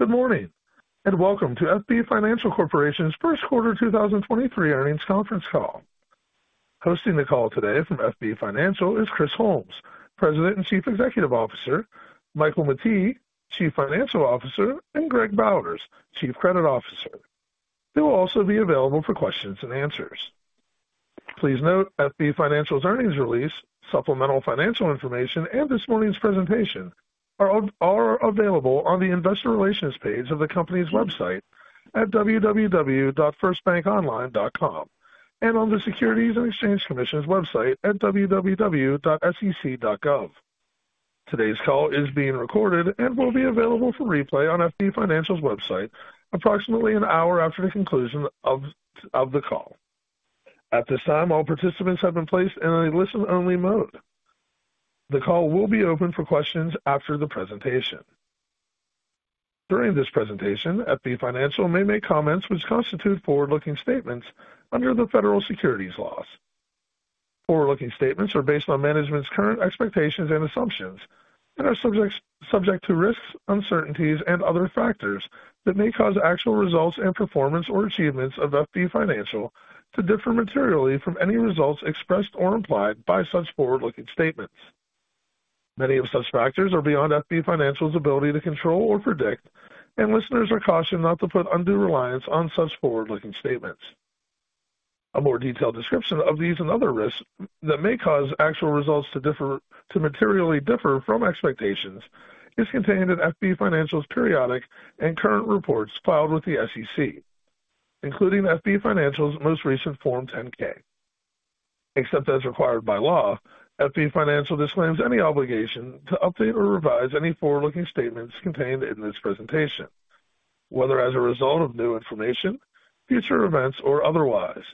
Welcome to FB Financial Corporation's first quarter 2023 earnings conference call. Hosting the call today from FB Financial is Chris Holmes, President and Chief Executive Officer, Michael Mettee, Chief Financial Officer, and Greg Bowers, Chief Credit Officer. They will also be available for questions and answers. Please note FB Financial's earnings release, supplemental financial information, and this morning's presentation are available on the investor relations page of the company's website at www.firstbankonline.com and on the Securities and Exchange Commission's website at www.sec.gov. Today's call is being recorded and will be available for replay on FB Financial's website approximately an hour after the conclusion of the call. At this time, all participants have been placed in a listen-only mode. The call will be open for questions after the presentation. During this presentation, FB Financial may make comments which constitute forward-looking statements under the federal securities laws. Forward-looking statements are based on management's current expectations and assumptions and are subject to risks, uncertainties and other factors that may cause actual results and performance or achievements of FB Financial to differ materially from any results expressed or implied by such forward-looking statements. Many of such factors are beyond FB Financial's ability to control or predict, listeners are cautioned not to put undue reliance on such forward-looking statements. A more detailed description of these and other risks that may cause actual results to materially differ from expectations is contained in FB Financial's periodic and current reports filed with the SEC, including FB Financial's most recent Form 10-K. Except as required by law, FB Financial disclaims any obligation to update or revise any forward-looking statements contained in this presentation, whether as a result of new information, future events or otherwise.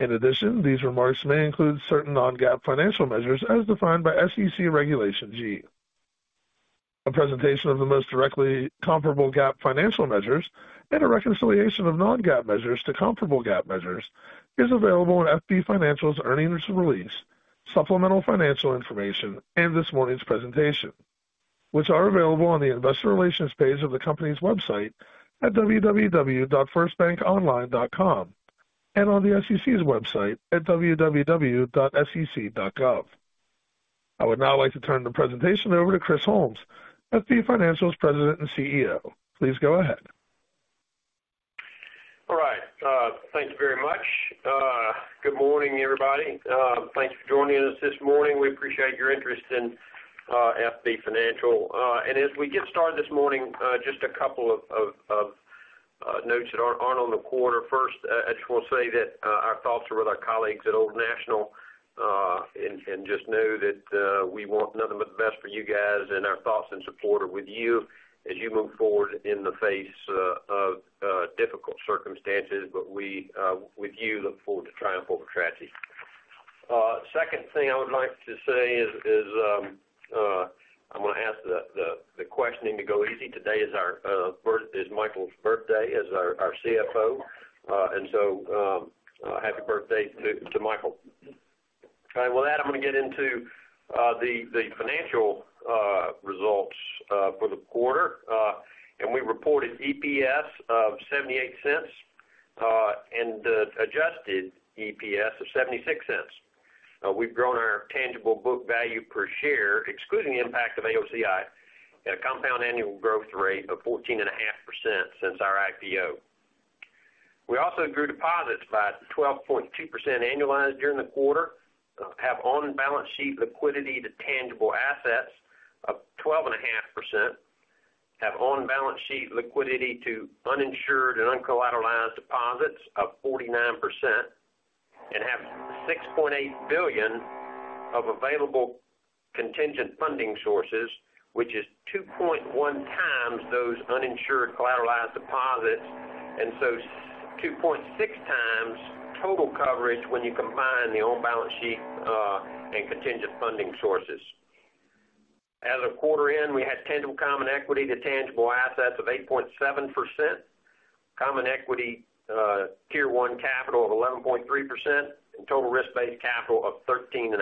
In addition, these remarks may include certain Non-GAAP financial measures as defined by SEC Regulation G. A presentation of the most directly comparable GAAP financial measures and a reconciliation of Non-GAAP measures to comparable GAAP measures is available in FB Financial's earnings release, supplemental financial information, and this morning's presentation, which are available on the investor relations page of the company's website at www.firstbankonline.com and on the SEC's website at www.sec.gov. I would now like to turn the presentation over to Chris Holmes, FB Financial's President and CEO. Please go ahead. All right. Thank you very much. Good morning, everybody. Thanks for joining us this morning. We appreciate your interest in FB Financial. As we get started this morning, just a couple of notes that aren't on the quarter. First, I just want to say that our thoughts are with our colleagues at Old National, and just know that we want nothing but the best for you guys, and our thoughts and support are with you as you move forward in the face of difficult circumstances. We, with you look forward to triumph over tragedy. Second thing I would like to say is I'm gonna ask the questioning to go easy. Today is Michael's birthday, as our CFO, happy birthday to Michael. All right. With that, I'm gonna get into the financial results for the quarter. We reported EPS of $0.78, and adjusted EPS of $0.76. We've grown our tangible book value per share, excluding the impact of AOCI at a compound annual growth rate of 14.5% since our IPO. We also grew deposits by 12.2% annualized during the quarter, have on-balance sheet liquidity to tangible assets of 12.5%, have on-balance sheet liquidity to uninsured and uncollateralized deposits of 49%, and have $6.8 billion of available contingent funding sources, which is 2.1x those uninsured collateralized deposits, and so 2.6x total coverage when you combine the on-balance sheet and contingent funding sources. As of quarter end, we had tangible common equity to tangible assets of 8.7%, Common Equity Tier 1 capital of 11.3% and total risk-based capital of 13.5%.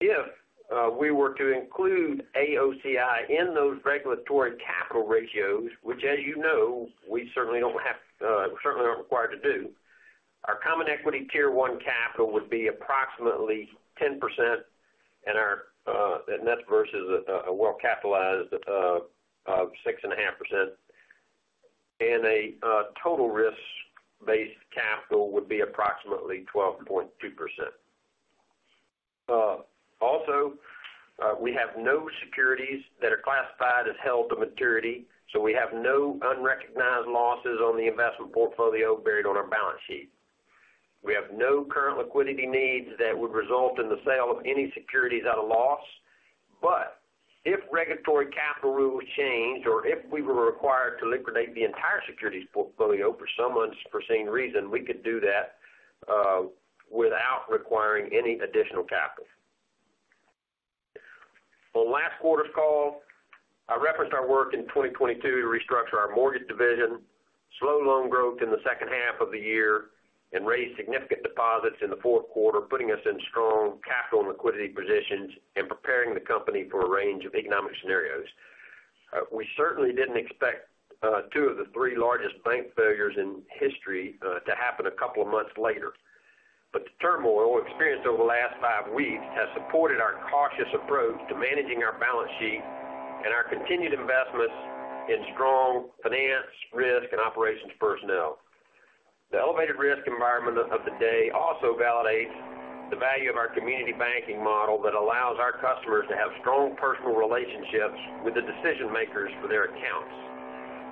If we were to include AOCI in those regulatory capital ratios, which as you know, we certainly don't have, certainly aren't required to do, our Common Equity Tier 1 capital would be approximately 10% and our, and that's versus a well-capitalized 6.5%. Total risk-based capital would be approximately 12.2%. Also, we have no securities that are classified as held-to-maturity, so we have no unrecognized losses on the investment portfolio buried on our balance sheet. We have no current liquidity needs that would result in the sale of any securities at a loss. If regulatory capital rules changed, or if we were required to liquidate the entire securities portfolio for some unforeseen reason, we could do that without requiring any additional capital. On last quarter's call, I referenced our work in 2022 to restructure our mortgage division. Slow loan growth in the second half of the year and raised significant deposits in the fourth quarter, putting us in strong capital and liquidity positions and preparing the company for a range of economic scenarios. We certainly didn't expect two of the three largest bank failures in history to happen a couple of months later. The turmoil experienced over the last five weeks has supported our cautious approach to managing our balance sheet and our continued investments in strong finance, risk, and operations personnel. The elevated risk environment of the day also validates the value of our community banking model that allows our customers to have strong personal relationships with the decision-makers for their accounts.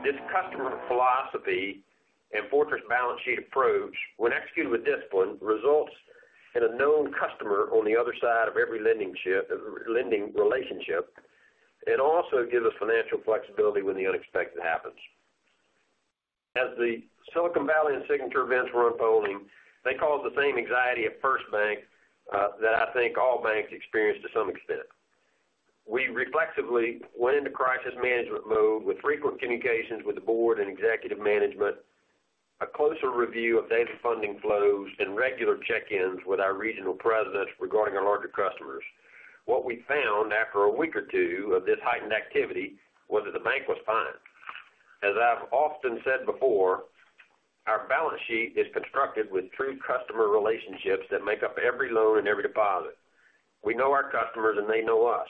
This customer philosophy and fortress balance sheet approach, when executed with discipline, results in a known customer on the other side of every lending relationship. It also gives us financial flexibility when the unexpected happens. As the Silicon Valley and Signature events were unfolding, they caused the same anxiety at FirstBank that I think all banks experienced to some extent. We reflexively went into crisis management mode with frequent communications with the board and executive management, a closer review of daily funding flows, and regular check-ins with our regional presidents regarding our larger customers. What we found after a week or two of this heightened activity was that the bank was fine. As I've often said before, our balance sheet is constructed with true customer relationships that make up every loan and every deposit. We know our customers and they know us.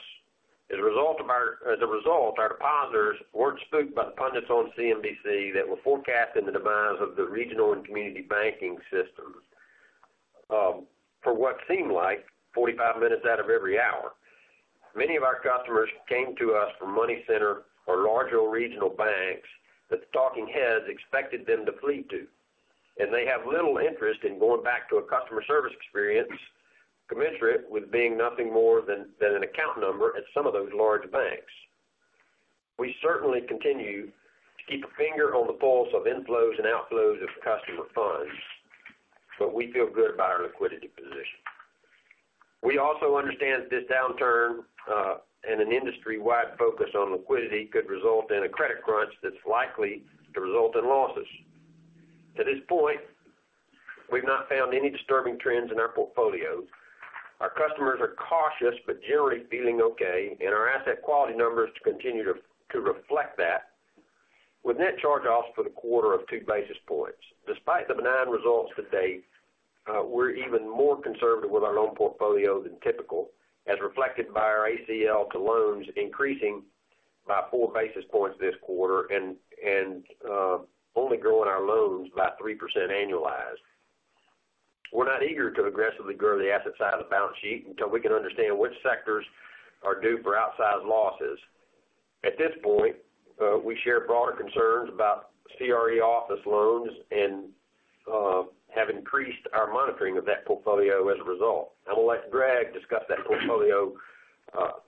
As a result, our depositors weren't spooked by the pundits on CNBC that were forecasting the demise of the regional and community banking systems, for what seemed like 45 minutes out of every hour. Many of our customers came to us from money center or larger regional banks that the talking heads expected them to flee to, and they have little interest in going back to a customer service experience commensurate with being nothing more than an account number at some of those large banks. We certainly continue to keep a finger on the pulse of inflows and outflows of customer funds, but we feel good about our liquidity position. We also understand this downturn, and an industry-wide focus on liquidity could result in a credit crunch that's likely to result in losses. To this point, we've not found any disturbing trends in our portfolio. Our customers are cautious but generally feeling okay. Our asset quality numbers continue to reflect that. With net charge-offs for the quarter of two basis points. Despite the benign results to date, we're even more conservative with our loan portfolio than typical, as reflected by our ACL to loans increasing by foue basis points this quarter and only growing our loans by 3% annualized. We're not eager to aggressively grow the asset side of the balance sheet until we can understand which sectors are due for outsized losses. At this point, we share broader concerns about CRE office loans and have increased our monitoring of that portfolio as a result. I'm going to let Greg discuss that portfolio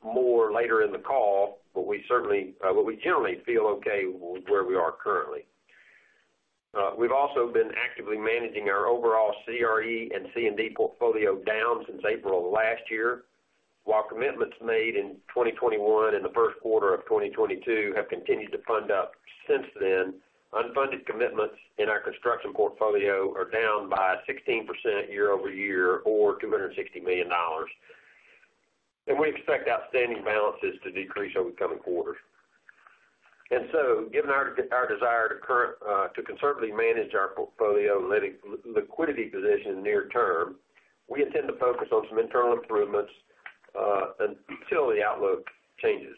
more later in the call, but we generally feel okay where we are currently. We've also been actively managing our overall CRE and C&D portfolio down since April of last year, while commitments made in 2021 and the first quarter of 2022 have continued to fund up since then. Unfunded commitments in our construction portfolio are down by 16% year-over-year or $260 million. We expect outstanding balances to decrease over coming quarters. Given our desire to conservatively manage our portfolio liquidity position near-term, we intend to focus on some internal improvements until the outlook changes.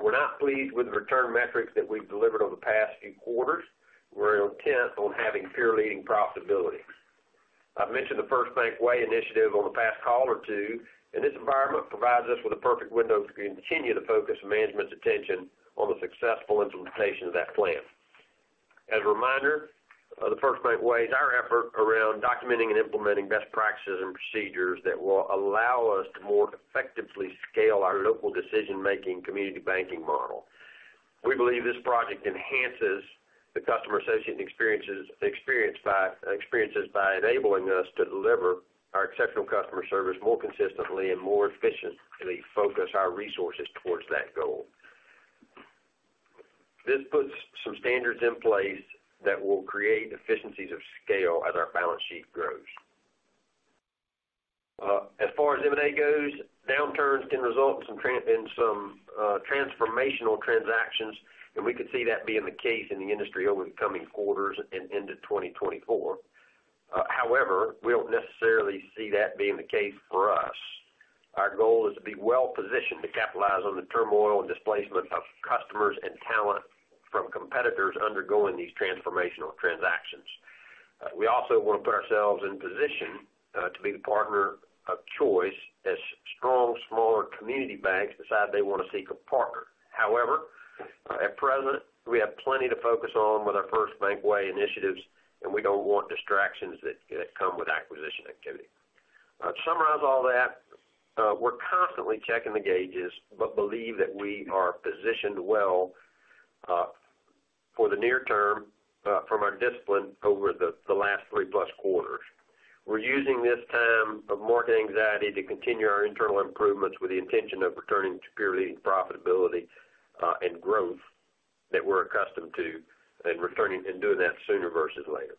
We're not pleased with the return metrics that we've delivered over the past few quarters. We're intent on having peer-leading profitability. I've mentioned the FirstBank Way initiative on the past call or two. This environment provides us with a perfect window to continue to focus management's attention on the successful implementation of that plan. As a reminder, the FirstBank Way is our effort around documenting and implementing best practices and procedures that will allow us to more effectively scale our local decision-making community banking model. We believe this project enhances the customer associate experiences by enabling us to deliver our exceptional customer service more consistently and more efficiently focus our resources towards that goal. This puts some standards in place that will create efficiencies of scale as our balance sheet grows. As far as M&A goes, downturns can result in some in some transformational transactions, and we could see that being the case in the industry over the coming quarters and into 2024. However, we don't necessarily see that being the case for us. Our goal is to be well positioned to capitalize on the turmoil and displacement of customers and talent from competitors undergoing these transformational transactions. We also want to put ourselves in position to be the partner of choice as strong, smaller community banks decide they want to seek a partner. However, at present, we have plenty to focus on with our FirstBank Way initiatives, and we don't want distractions that come with acquisition activity. To summarize all that, we're constantly checking the gauges but believe that we are positioned well for the near-term from our discipline over the last three-plus quarters. We're using this time of market anxiety to continue our internal improvements with the intention of returning to pure profitability and growth that we're accustomed to, and returning and doing that sooner versus later.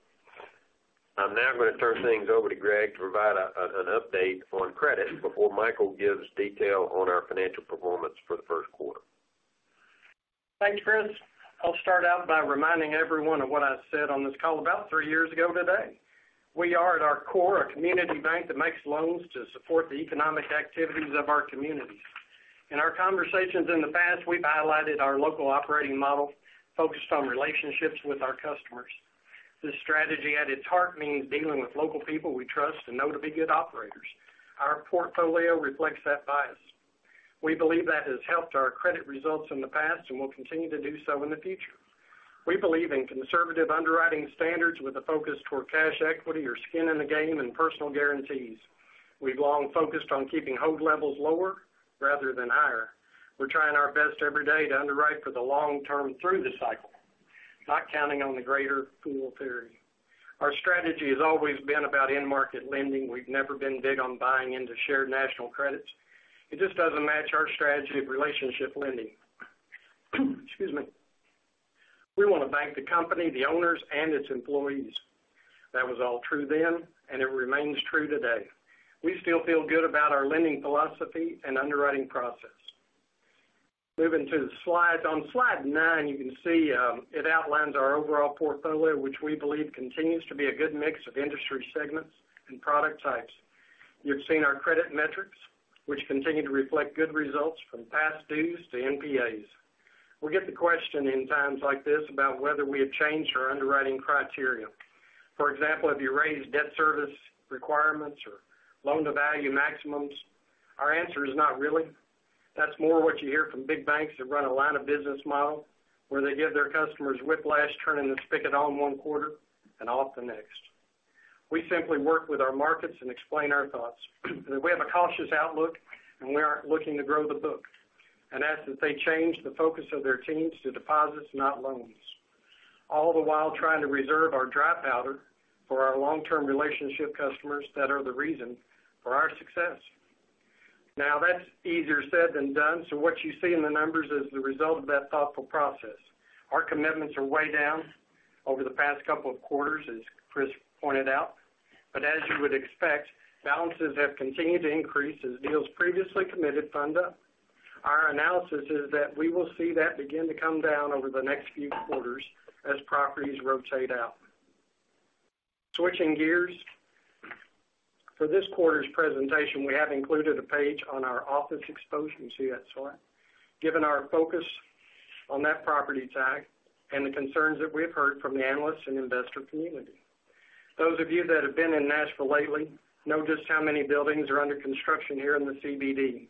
I'm now gonna turn things over to Greg to provide an update on credit before Michael gives detail on our financial performance for the first quarter. Thanks, Chris. I'll start out by reminding everyone of what I said on this call about three years ago today. We are at our core, a community bank that makes loans to support the economic activities of our communities. In our conversations in the past, we've highlighted our local operating model focused on relationships with our customers. This strategy at its heart means dealing with local people we trust and know to be good operators. Our portfolio reflects that bias. We believe that has helped our credit results in the past and will continue to do so in the future. We believe in conservative underwriting standards with a focus toward cash equity or skin in the game and personal guarantees. We've long focused on keeping hold levels lower rather than higher. We're trying our best every day to underwrite for the long-term through the cycle, not counting on the greater fool theory. Our strategy has always been about in-market lending. We've never been big on buying into Shared National Credits. It just doesn't match our strategy of relationship lending. Excuse me. We wanna bank the company, the owners, and its employees. That was all true then, and it remains true today. We still feel good about our lending philosophy and underwriting process. Moving to the slides. On slide nine, you can see, it outlines our overall portfolio, which we believe continues to be a good mix of industry segments and product types. You've seen our credit metrics, which continue to reflect good results from past dues to NPAs. We get the question in times like this about whether we have changed our underwriting criteria. For example, have you raised debt service requirements or loan-to-value maximums? Our answer is not really. That's more what you hear from big banks that run a line of business model, where they give their customers whiplash turning the spigot on one quarter and off the next. We simply work with our markets and explain our thoughts. We have a cautious outlook, and we aren't looking to grow the book. As that they change the focus of their teams to deposits, not loans, all the while trying to reserve our dry powder for our long-term relationship customers that are the reason for our success. That's easier said than done, so what you see in the numbers is the result of that thoughtful process. Our commitments are way down over the past couple of quarters, as Chris pointed out. As you would expect, balances have continued to increase as deals previously committed fund up. Our analysis is that we will see that begin to come down over the next few quarters as properties rotate out. Switching gears. For this quarter's presentation, we have included a page on our office exposure you see on the slide, given our focus on that property tag and the concerns that we have heard from the analysts and investor community. Those of you that have been in Nashville lately know just how many buildings are under construction here in the CBD.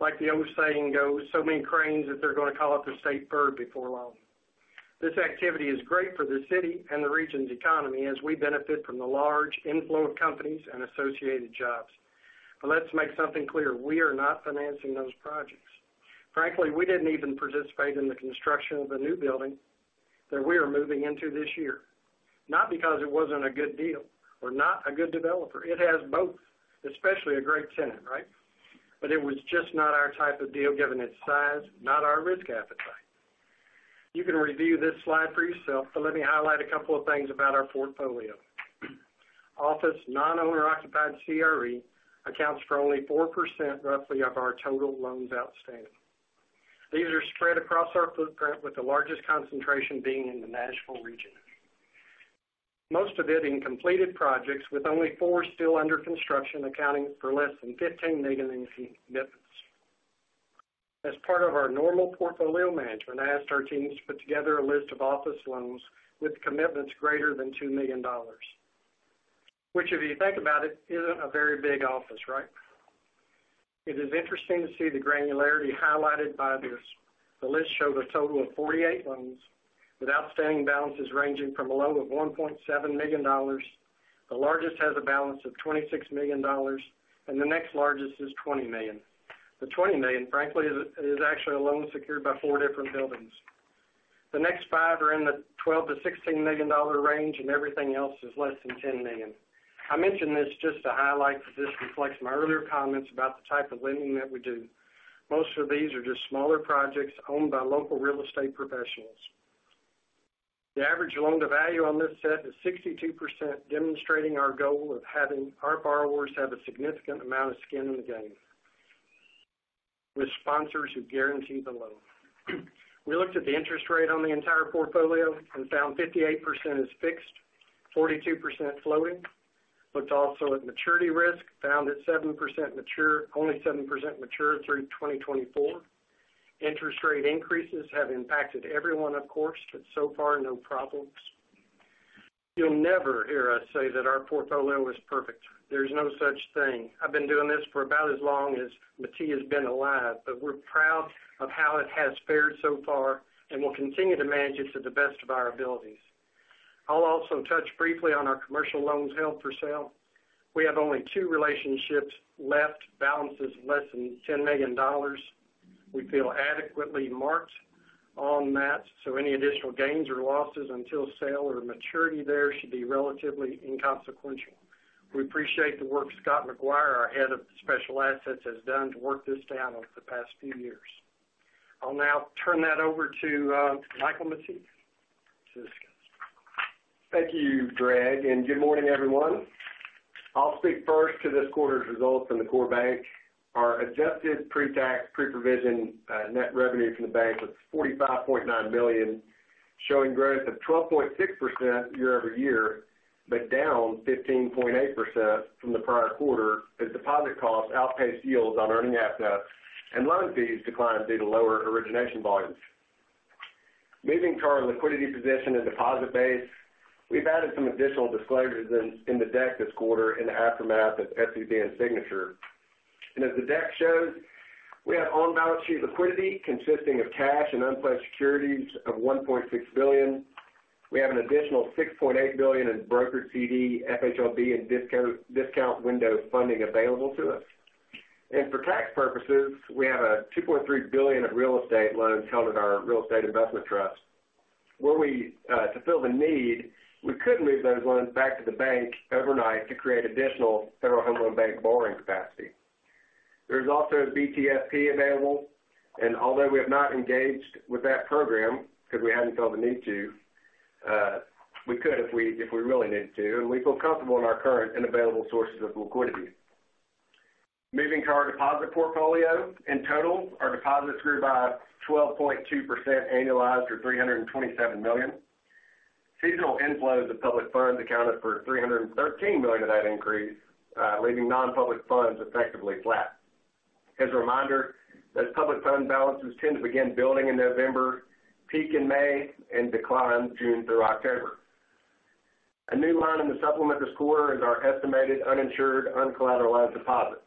Like the old saying goes, so many cranes that they're gonna call it the state bird before long. This activity is great for the city and the region's economy as we benefit from the large inflow of companies and associated jobs. Let's make something clear, we are not financing those projects. Frankly, we didn't even participate in the construction of the new building that we are moving into this year. Not because it wasn't a good deal or not a good developer. It has both, especially a great tenant, right? It was just not our type of deal given its size, not our risk appetite. You can review this slide for yourself, let me highlight a couple of things about our portfolio. Office non-owner occupied CRE accounts for only 4% roughly of our total loans outstanding. These are spread across our footprint, with the largest concentration being in the Nashville region. Most of it in completed projects with only four still under construction, accounting for less than $15 million in commitments. As part of our normal portfolio management, I asked our teams to put together a list of office loans with commitments greater than $2 million. Which if you think about it, isn't a very big office, right? It is interesting to see the granularity highlighted by this. The list showed a total of 48 loans with outstanding balances ranging from a low of $1.7 million. The largest has a balance of $26 million, and the next largest is $20 million. The $20 million, frankly, is actually a loan secured by four different buildings. The next five are in the $12 million-$16 million range. Everything else is less than $10 million. I mention this just to highlight that this reflects my earlier comments about the type of lending that we do. Most of these are just smaller projects owned by local real estate professionals. The average loan-to-value on this set is 62%, demonstrating our goal of having our borrowers have a significant amount of skin in the game, with sponsors who guarantee the loan. We looked at the interest rate on the entire portfolio and found 58% is fixed, 42% floating. Looked also at maturity risk, found that 7% mature, only 7% mature through 2024. Interest rate increases have impacted everyone, of course, so far, no problems. You'll never hear us say that our portfolio is perfect. There's no such thing. I've been doing this for about as long as Mettee's been alive, we're proud of how it has fared so far, we'll continue to manage it to the best of our abilities. I'll also touch briefly on our commercial loans held for sale. We have only two relationships left, balances less than $10 million. We feel adequately marked on that, so any additional gains or losses until sale or maturity there should be relatively inconsequential. We appreciate the work Scott McGuire, our head of special assets, has done to work this down over the past few years. I'll now turn that over to Michael Mettee to discuss. Thank you, Greg, and good morning, everyone. I'll speak first to this quarter's results in the core bank. Our adjusted pre-tax, pre-provision net revenue from the bank was $45.9 million, showing growth of 12.6% year-over-year, but down 15.8% from the prior quarter as deposit costs outpaced yields on earning assets and loan fees declined due to lower origination volumes. Moving to our liquidity position and deposit base, we've added some additional disclosures in the deck this quarter in the aftermath of SVB and Signature. As the deck shows, we have on-balance sheet liquidity consisting of cash and unpledged securities of $1.6 billion. We have an additional $6.8 billion in brokered CD, FHLB, and discount window funding available to us. For tax purposes, we have $2.3 billion of real estate loans held at our real estate investment trust. To fill the need, we could move those loans back to the bank overnight to create additional Federal Home Loan Bank borrowing capacity. There's also a BTFP available. Although we have not engaged with that program because we haven't felt the need to, we could if we really needed to, and we feel comfortable in our current and available sources of liquidity. Moving to our deposit portfolio. In total, our deposits grew by 12.2% annualized or $327 million. Seasonal inflows of public funds accounted for $313 million of that increase, leaving nonpublic funds effectively flat. As a reminder, those public fund balances tend to begin building in November, peak in May, and decline June through October. A new line in the supplement this quarter is our estimated uninsured, uncollateralized deposits.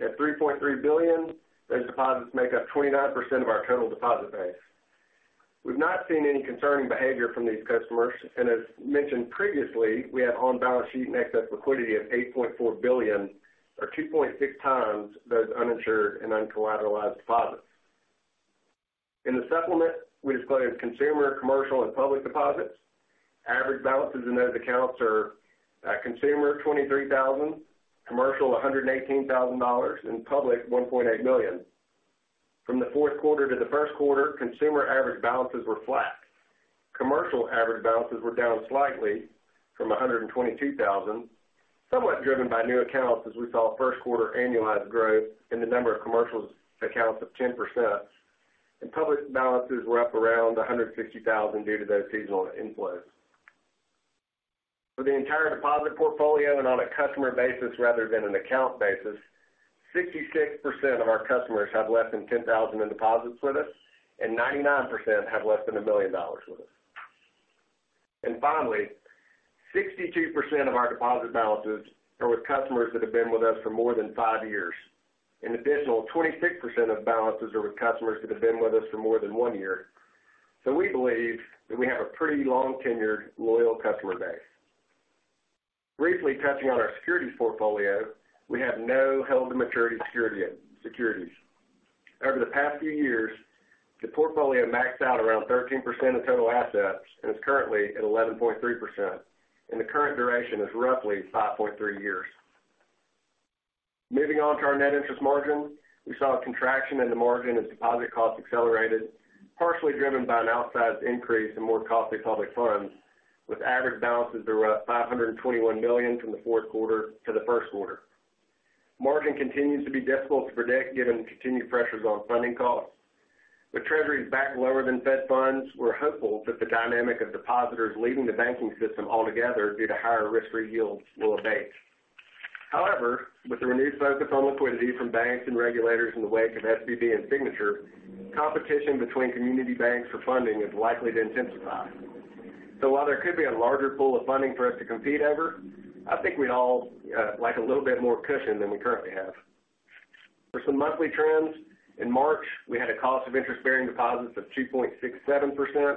At $3.3 billion, those deposits make up 29% of our total deposit base. We've not seen any concerning behavior from these customers, and as mentioned previously, we have on-balance sheet and excess liquidity of $8.4 billion or 2.6x those uninsured and uncollateralized deposits. In the supplement, we disclose consumer, commercial, and public deposits. Average balances in those accounts are, consumer, $23,000, commercial, $118,000, and public, $1.8 million. From the fourth quarter to the first quarter, consumer average balances were flat. Commercial average balances were down slightly from $122,000, somewhat driven by new accounts as we saw first quarter annualized growth in the number of commercial accounts of 10%. Public balances were up around $150,000 due to those seasonal inflows. For the entire deposit portfolio and on a customer basis rather than an account basis, 66% of our customers have less than $10,000 in deposits with us, and 99% have less than $1 million with us. Finally, 62% of our deposit balances are with customers that have been with us for more than five years. An additional 26% of balances are with customers that have been with us for more than one year. We believe that we have a pretty long-tenured, loyal customer base. Briefly touching on our securities portfolio, we have no held-to-maturity securities. Over the past few years, the portfolio maxed out around 13% of total assets and is currently at 11.3%, the current duration is roughly 5.3 years. Moving on to our net interest margin. We saw a contraction in the margin as deposit costs accelerated, partially driven by an outsized increase in more costly public funds, with average balances of around $521 million from the fourth quarter to the first quarter. Margin continues to be difficult to predict given the continued pressures on funding costs. With treasuries back lower than Fed funds, we're hopeful that the dynamic of depositors leaving the banking system altogether due to higher risk-free yields will abate. With the renewed focus on liquidity from banks and regulators in the wake of SVB and Signature, competition between community banks for funding is likely to intensify. While there could be a larger pool of funding for us to compete over, I think we'd all like a little bit more cushion than we currently have. For some monthly trends, in March, we had a cost of interest-bearing deposits of 2.67%,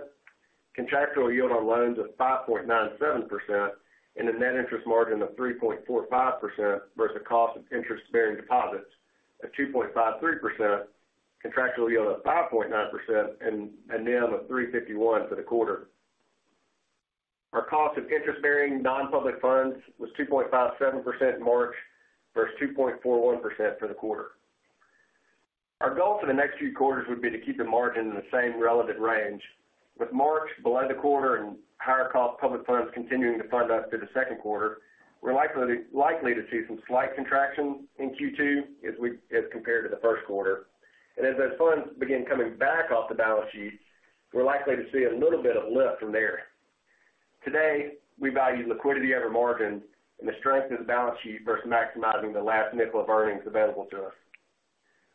contractual yield on loans of 5.97%, and a net interest margin of 3.45% versus cost of interest-bearing deposits of 2.53%, contractual yield of 5.9%, and a NIM of 3.51% for the quarter. Our cost of interest-bearing nonpublic funds was 2.57% in March versus 2.41% for the quarter. Our goal for the next few quarters would be to keep the margin in the same relative range. With March below the quarter and higher cost public funds continuing to fund us through the second quarter, we're likely to see some slight contraction in Q2 as compared to the first quarter. As those funds begin coming back off the balance sheet, we're likely to see a little bit of lift from there. Today, we value liquidity over margin and the strength of the balance sheet versus maximizing the last nickel of earnings available to us.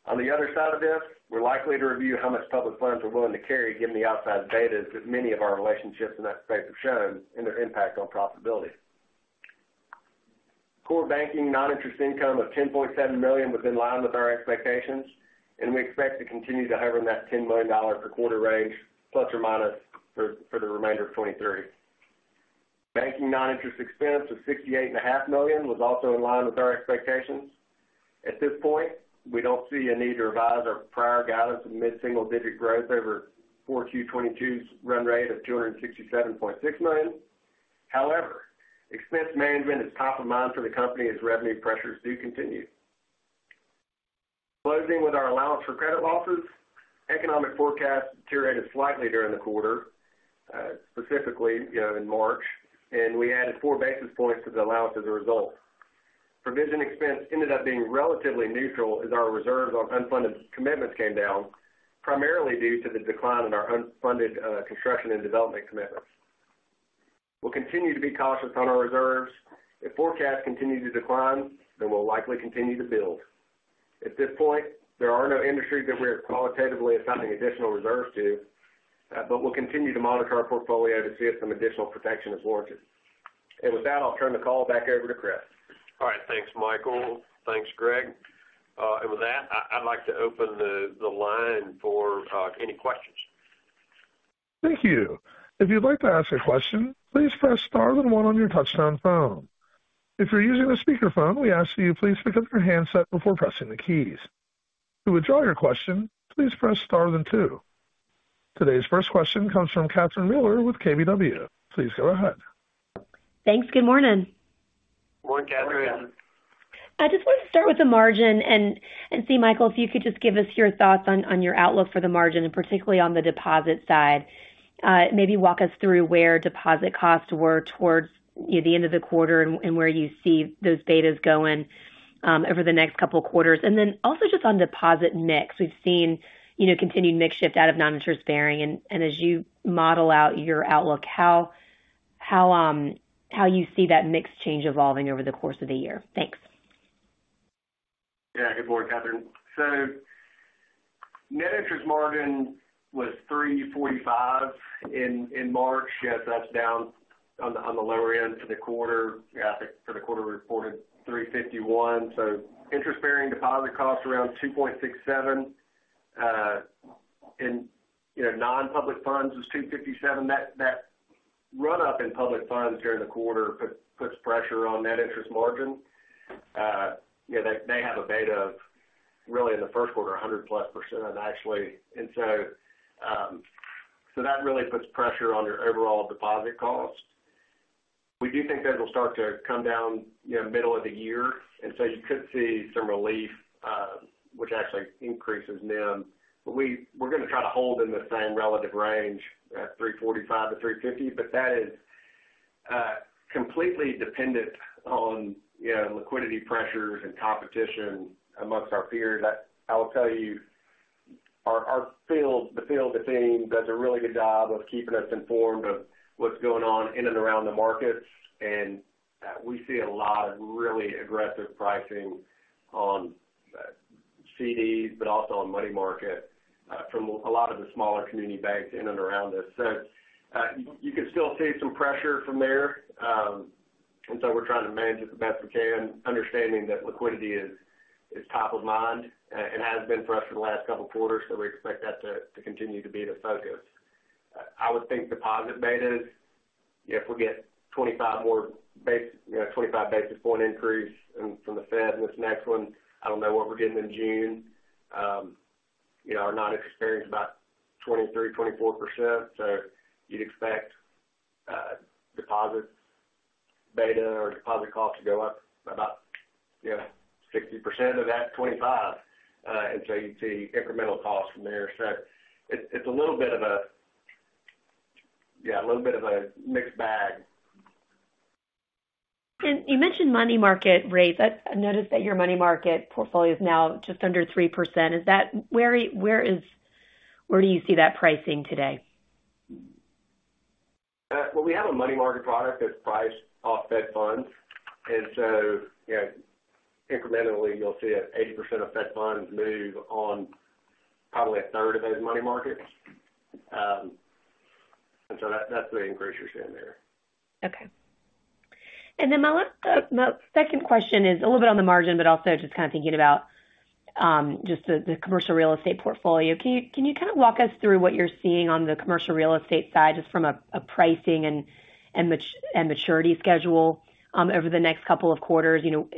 On the other side of this, we're likely to review how much public funds we're willing to carry given the outsized betas that many of our relationships in that space have shown and their impact on profitability. Core banking non-interest income of $10.7 million was in line with our expectations. We expect to continue to hover in that $10 million per quarter range ± for the remainder of 2023. Banking non-interest expense of $68.5 million was also in line with our expectations. At this point, we don't see a need to revise our prior guidance in mid-single-digit growth over 4Q 2022's run rate of $267.6 million. Expense management is top of mind for the company as revenue pressures do continue. Closing with our allowance for credit losses, economic forecasts deteriorated slightly during the quarter, specifically, you know, in March. We added four basis points to the allowance as a result. Provision expense ended up being relatively neutral as our reserves on unfunded commitments came down, primarily due to the decline in our unfunded construction and development commitments. We'll continue to be cautious on our reserves. If forecasts continue to decline, then we'll likely continue to build. At this point, there are no industries that we're qualitatively assigning additional reserves to, but we'll continue to monitor our portfolio to see if some additional protection is warranted. With that, I'll turn the call back over to Chris. All right, thanks, Michael. Thanks, Greg. With that, I'd like to open the line for any questions. Thank you. If you'd like to ask a question, please press star then one on your touchtone phone. If you're using a speakerphone, we ask that you please pick up your handset before pressing the keys. To withdraw your question, please press star then two. Today's first question comes from Catherine Mealor with KBW. Please go ahead. Thanks. Good morning. Good morning, Catherine. Good morning. I just wanted to start with the margin and see, Michael, if you could just give us your thoughts on your outlook for the margin, and particularly on the deposit side. Maybe walk us through where deposit costs were towards, you know, the end of the quarter and where you see those betas going over the next couple of quarters. Then also just on deposit mix, we've seen, you know, continued mix shift out of non-interest bearing. As you model out your outlook, how you see that mix change evolving over the course of the year? Thanks. Good morning, Catherine. Net interest margin was 3.45% in March. That's down on the lower end for the quarter. I think for the quarter, we reported 3.51%. Interest bearing deposit costs around 2.67%. You know, non-public funds was 2.57%. That run up in public funds during the quarter puts pressure on net interest margin. You know, they have a beta of really in the first quarter, 100%+, actually. That really puts pressure on your overall deposit costs. We do think those will start to come down, you know, middle of the year, and you could see some relief, which actually increases NIM. We're gonna try to hold in the same relative range at 345 to 350, but that is completely dependent on, you know, liquidity pressures and competition amongst our peers. I will tell you our field team does a really good job of keeping us informed of what's going on in and around the markets, and we see a lot of really aggressive pricing on CDs but also on money market from a lot of the smaller community banks in and around us. You can still see some pressure from there. We're trying to manage it the best we can, understanding that liquidity is top of mind and has been for us for the last couple of quarters, so we expect that to continue to be the focus. I would think deposit betas, if we get 25 more you know, 25 basis point increase from the Fed in this next one, I don't know what we're getting in June, you know, our non-interest bearing is about 23%-24%. You'd expect deposits beta or deposit costs to go up by about, you know, 60% of that 25. You'd see incremental costs from there. It's a little bit of a, yeah, a little bit of a mixed bag. You mentioned money market rates. I noticed that your money market portfolio is now just under 3%. Where do you see that pricing today? Well, we have a money market product that's priced off Fed Funds. You know, incrementally, you'll see a 80% of Fed Funds move on probably a third of those money markets. That's the increase you're seeing there. Okay. My last, my second question is a little bit on the margin, but also just kind of thinking about just the commercial real estate portfolio. Can you kind of walk us through what you're seeing on the commercial real estate side, just from a pricing and maturity schedule over the next couple of quarters? You know,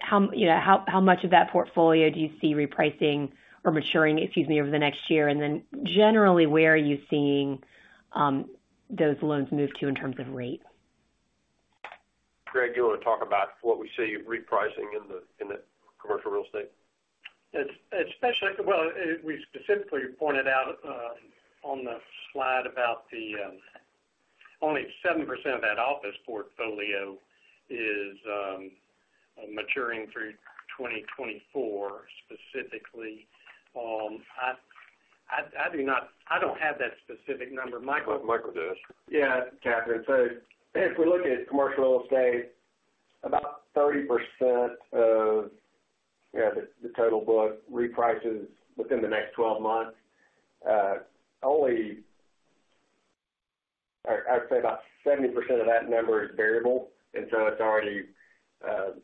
how much of that portfolio do you see repricing or maturing, excuse me, over the next year? Generally, where are you seeing those loans move to in terms of rate? Greg, do you want to talk about what we see repricing in the commercial real estate? Especially. Well, we specifically pointed out on the slide about the only 7% of that office portfolio is maturing through 2024 specifically. I don't have that specific number, Michael. Michael does. Yeah, Catherine. If we look at commercial real estate, about 30% of, you know, the total book reprices within the next 12 months. only I'd say about 70% of that number is variable, and so it's already, you know,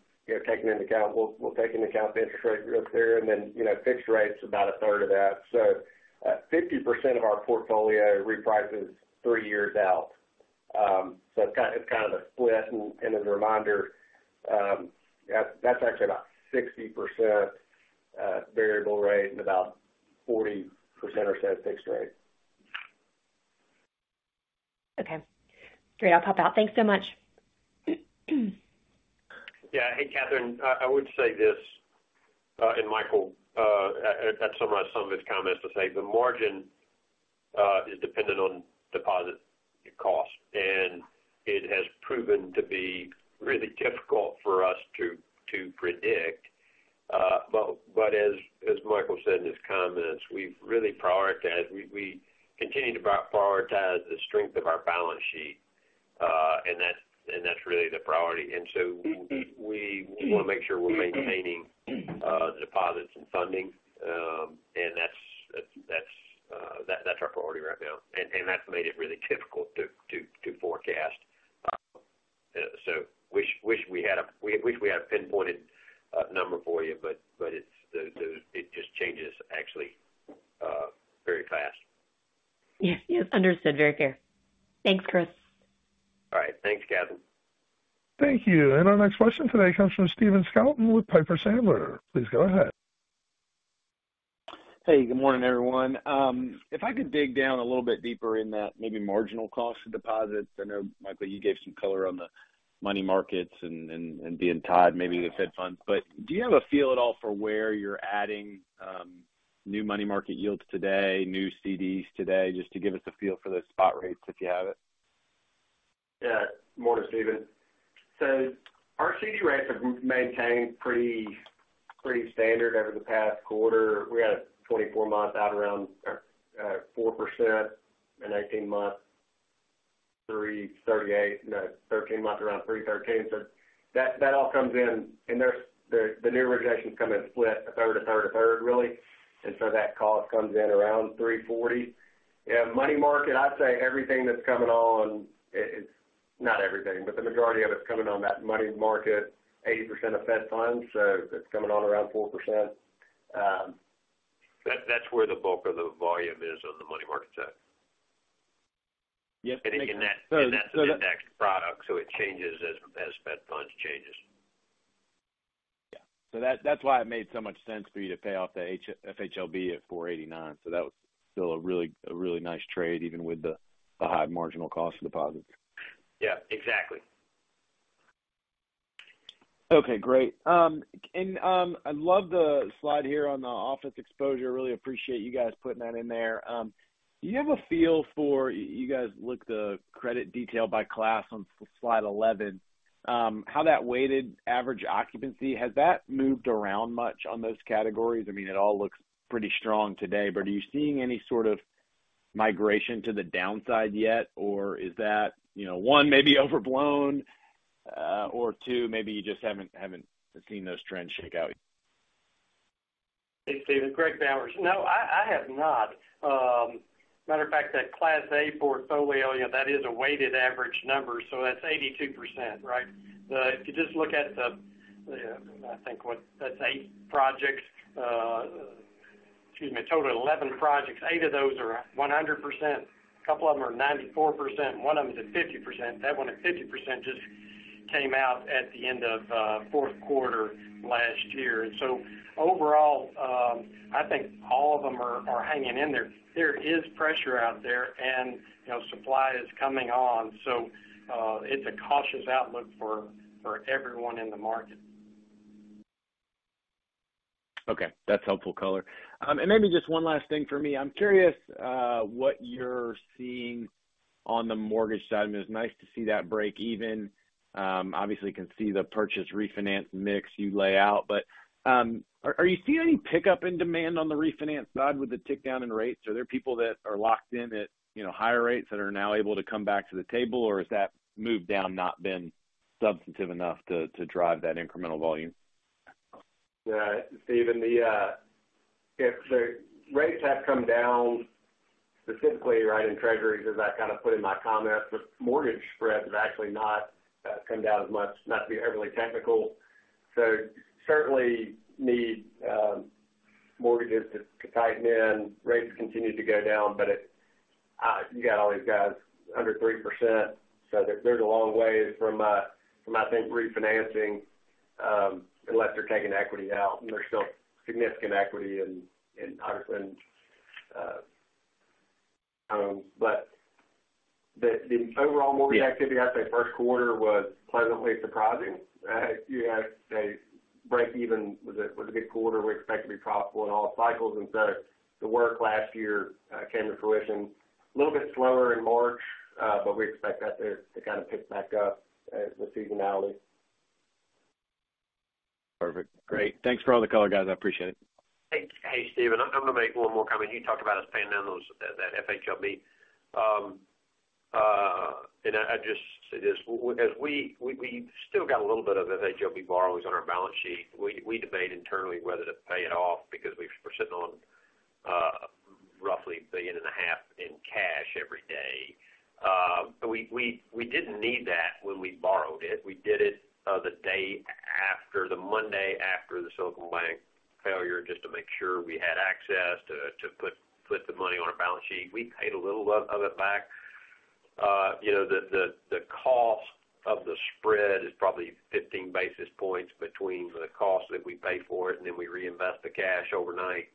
we'll take into account the interest rate real clear and then, you know, fixed rate's about a third of that. 50% of our portfolio reprices three years out. so it's kind of a split. as a reminder, that's actually about 60%, variable rate and about 40% or so fixed rate. Okay. Great. I'll pop out. Thanks so much. Yeah. Hey, Catherine. I would say this, Michael, I'd summarize some of his comments to say the margin is dependent on deposit cost, and it has proven to be really difficult for us to predict. As Michael said in his comments, we've really prioritized. We continue to prioritize the strength of our balance sheet, and that's really the priority. We wanna make sure we're maintaining deposits and funding. That's, that's our priority right now. That's made it really difficult to forecast. Wish we had a pinpointed number for you, but it's. It just changes actually, very fast. Yes. Yes. Understood. Very clear. Thanks, Chris. All right. Thanks, Catherine. Thank you. Our next question today comes from Stephen Scouten with Piper Sandler. Please go ahead. Hey, good morning, everyone. If I could dig down a little bit deeper in that maybe marginal cost of deposits. I know, Michael, you gave some color on the money markets and being tied maybe with Fed Funds. Do you have a feel at all for where you're adding new money market yields today, new CDs today, just to give us a feel for those spot rates if you have it? Yeah. Morning, Stephen. Our CD rates have maintained pretty standard over the past quarter. We had a 24 month out around 4%, an 18 month, 3.38%. No. 13 month around 3.13%. That all comes in. The new originations come in split, a third, a third, a third, really. That cost comes in around 3.40%. Yeah, money market, I'd say everything that's coming on. Not everything, but the majority of it's coming on that money market, 80% of Fed funds, so it's coming on around 4%. That's where the bulk of the volume is on the money market side. Yes. In that product, so it changes as Fed Funds changes. Yeah. That, that's why it made so much sense for you to pay off the FHLB at 489. That was still a really nice trade, even with the high marginal cost of deposits. Yeah, exactly. Okay, great. I love the slide here on the office exposure. Really appreciate you guys putting that in there. You guys look the credit detail by class on slide 11. How that weighted average occupancy, has that moved around much on those categories? I mean, it all looks pretty strong today, are you seeing any sort of migration to the downside yet, or is that, you know, one, maybe overblown, or two, maybe you just haven't seen those trends shake out yet? Hey, Stephen. Greg Bowers. No, I have not. Matter of fact, that class A portfolio, you know, that is a weighted average number, so that's 82%, right? If you just look at the, I think, what? That's 8 projects. Excuse me, a total of 11 projects. Eight of those are 100%. A couple of them are 94%. Ono of them is at 50%. That one at 50% just came out at the end of fourth quarter last year. Overall, I think all of them are hanging in there. There is pressure out there and, you know, supply is coming on. It's a cautious outlook for everyone in the market. Okay, that's helpful color. Maybe just one last thing for me. I'm curious what you're seeing on the mortgage side. I mean, it's nice to see that break even. Obviously can see the purchase refinance mix you lay out. Are you seeing any pickup in demand on the refinance side with the tick down in rates? Are there people that are locked in at, you know, higher rates that are now able to come back to the table, or has that move down not been substantive enough to drive that incremental volume? Yeah. Stephen, the If the rates have come down specifically right in treasuries, as I kind of put in my comments, the mortgage spread has actually not come down as much, not to be overly technical. Certainly need mortgages to tighten in, rates continue to go down, but you got all these guys under 3%, so they're a long way from, I think refinancing, unless they're taking equity out, and there's still significant equity in Hudson. The overall mortgage activity, I'd say first quarter was pleasantly surprising. You had a break even. Was a good quarter. We expect to be profitable in all cycles, the work last year came to fruition. A little bit slower in March, but we expect that to kind of pick back up as the seasonality. Perfect. Great. Thanks for all the color, guys. I appreciate it. Hey, Stephen. I'm gonna make one more comment. You talked about us paying down that FHLB. I just suggest, as we still got a little bit of FHLB borrowers on our balance sheet. We debate internally whether to pay it off because we're sitting on Every day. We didn't need that when we borrowed it. We did it the Monday after the Silicon Valley failure, just to make sure we had access to put the money on our balance sheet. We paid a little of it back. you know, the cost of the spread is probably 15 basis points between the cost that we pay for it, and then we reinvest the cash overnight.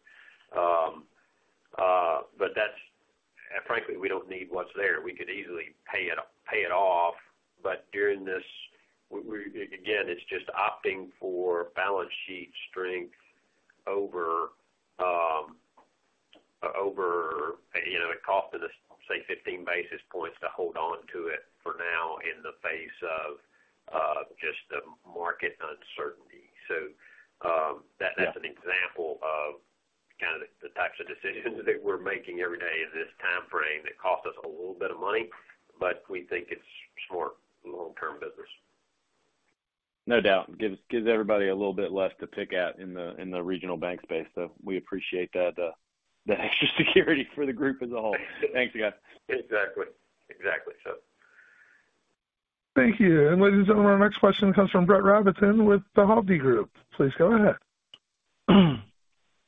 frankly, we don't need what's there. We could easily pay it off. During this we again, it's just opting for balance sheet strength over, you know, the cost of the, say, 15 basis points to hold on to it for now in the face of just the market uncertainty. Yeah. That's an example of kind of the types of decisions that we're making every day in this timeframe that cost us a little bit of money, but we think it's smart long-term business. No doubt. Gives everybody a little bit less to pick at in the regional bank space. We appreciate that extra security for the group as a whole. Thanks, guys. Exactly. Exactly, so. Thank you. Ladies and gentlemen, our next question comes from Brett Rabatin with Hovde Group. Please go ahead.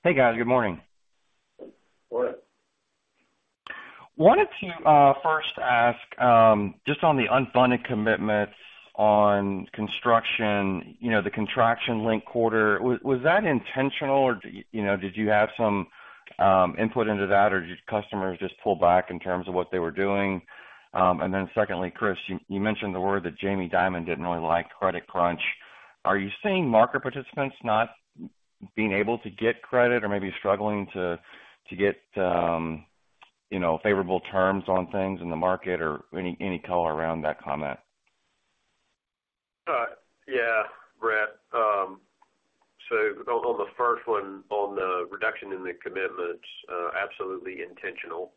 Hey, guys. Good morning. Good morning. Wanted to first ask, just on the unfunded commitments on construction, you know, the contraction linked quarter. Was that intentional or did, you know, did you have some input into that or did customers just pull back in terms of what they were doing? Secondly, Chris, you mentioned the word that Jamie Dimon didn't really like credit crunch. Are you seeing market participants not being able to get credit or maybe struggling to get, you know, favorable terms on things in the market or any color around that comment? Yeah, Brett. On the first one, on the reduction in the commitments, absolutely intentional.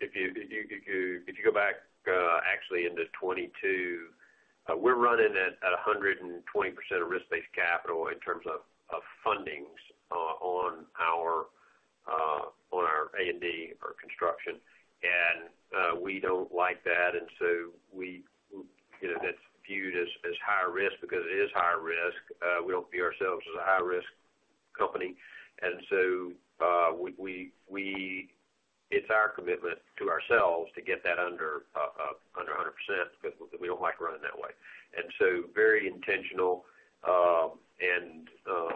If you go back, actually into 2022, we're running at 120% of risk-based capital in terms of fundings, on our A and D or construction. We don't like that. You know, that's viewed as high risk because it is high risk. We don't view ourselves as a high risk company. It's our commitment to ourselves to get that under 100% because we don't like running that way. Very intentional, and so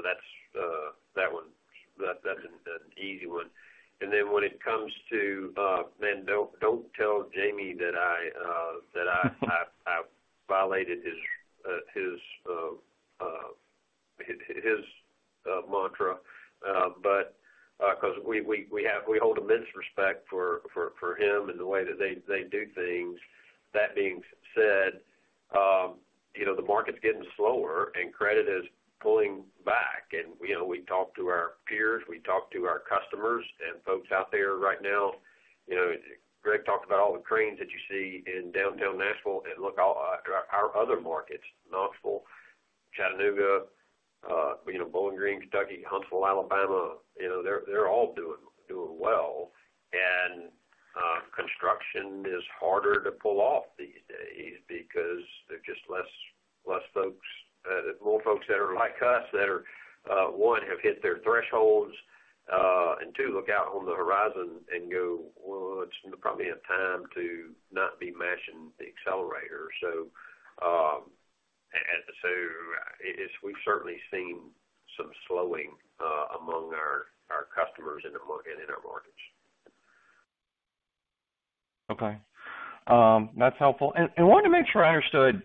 that's an easy one. Then when it comes to, Man, don't tell Jamie that I violated his mantra. 'Cause we hold immense respect for him and the way that they do things. That being said, you know, the market's getting slower and credit is pulling back. You know, we talk to our peers, we talk to our customers and folks out there right now. You know, Greg talked about all the cranes that you see in downtown Nashville and our other markets, Knoxville, Chattanooga, you know, Bowling Green, Kentucky, Huntsville, Alabama, you know, they're all doing well. Construction is harder to pull off these days because there's just less folks. More folks that are like us that are, one, have hit their thresholds, and two, look out on the horizon and go, "Well, it's probably a time to not be mashing the accelerator." We've certainly seen some slowing among our customers in our markets. Okay. That's helpful. Wanted to make sure I understood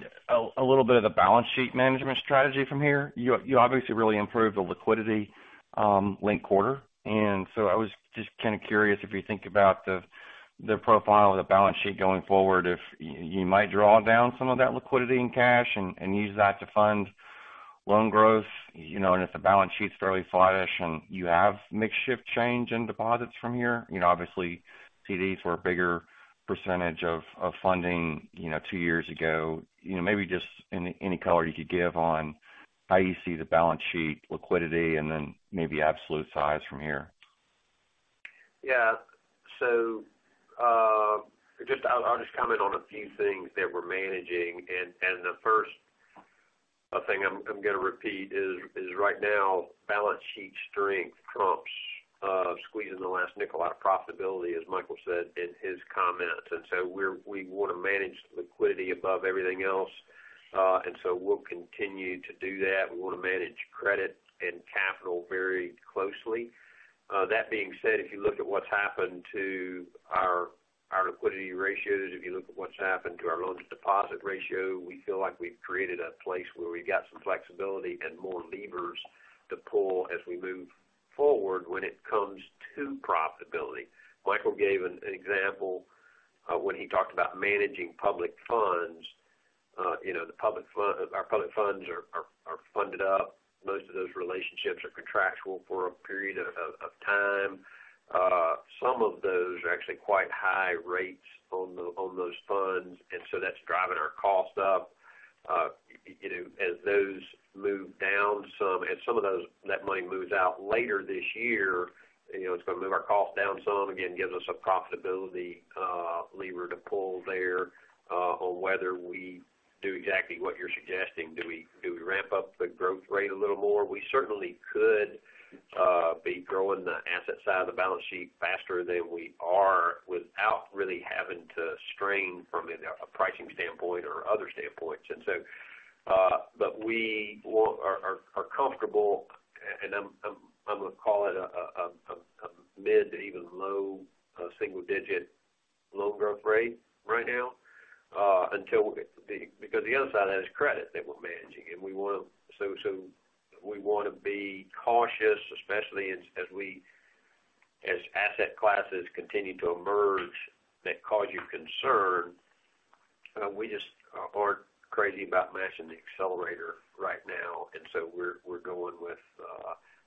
a little bit of the balance sheet management strategy from here. You obviously really improved the liquidity, linked quarter. I was just kind of curious if you think about the profile of the balance sheet going forward, if you might draw down some of that liquidity and cash and use that to fund loan growth, you know, and if the balance sheet's fairly flattish, and you have makeshift change in deposits from here. You know, obviously, CDs were a bigger % of funding, you know, two years ago. You know, maybe just any color you could give on how you see the balance sheet liquidity and then maybe absolute size from here? I'll just comment on a few things that we're managing. The first thing I'm gonna repeat is right now balance sheet strength trumps squeezing the last nickel out of profitability, as Michael said in his comments. We wanna manage liquidity above everything else. We'll continue to do that. We wanna manage credit and capital very closely. That being said, if you look at what's happened to our liquidity ratios, if you look at what's happened to our loans to deposit ratio, we feel like we've created a place where we've got some flexibility and more levers to pull as we move forward when it comes to profitability. Michael gave an example when he talked about managing public funds. You know, the public funds are funded up. Most of those relationships are contractual for a period of time. Some of those are actually quite high rates on those funds, and so that's driving our costs up. You know, as those move down some, as some of that money moves out later this year, you know, it's gonna move our costs down some, again, gives us some profitability, lever to pull there, on whether we do exactly what you're suggesting. Do we ramp up the growth rate a little more? We certainly could, be growing the asset side of the balance sheet faster than we are without really having to strain from a pricing standpoint or other standpoints. We are comfortable, and I'm gonna call it a mid to even low single-digit loan growth rate right now until we get to the... Because the other side of that is credit that we're managing, and So we wanna be cautious, especially as asset classes continue to emerge that cause you concern, we just aren't crazy about mashing the accelerator right now. We're going with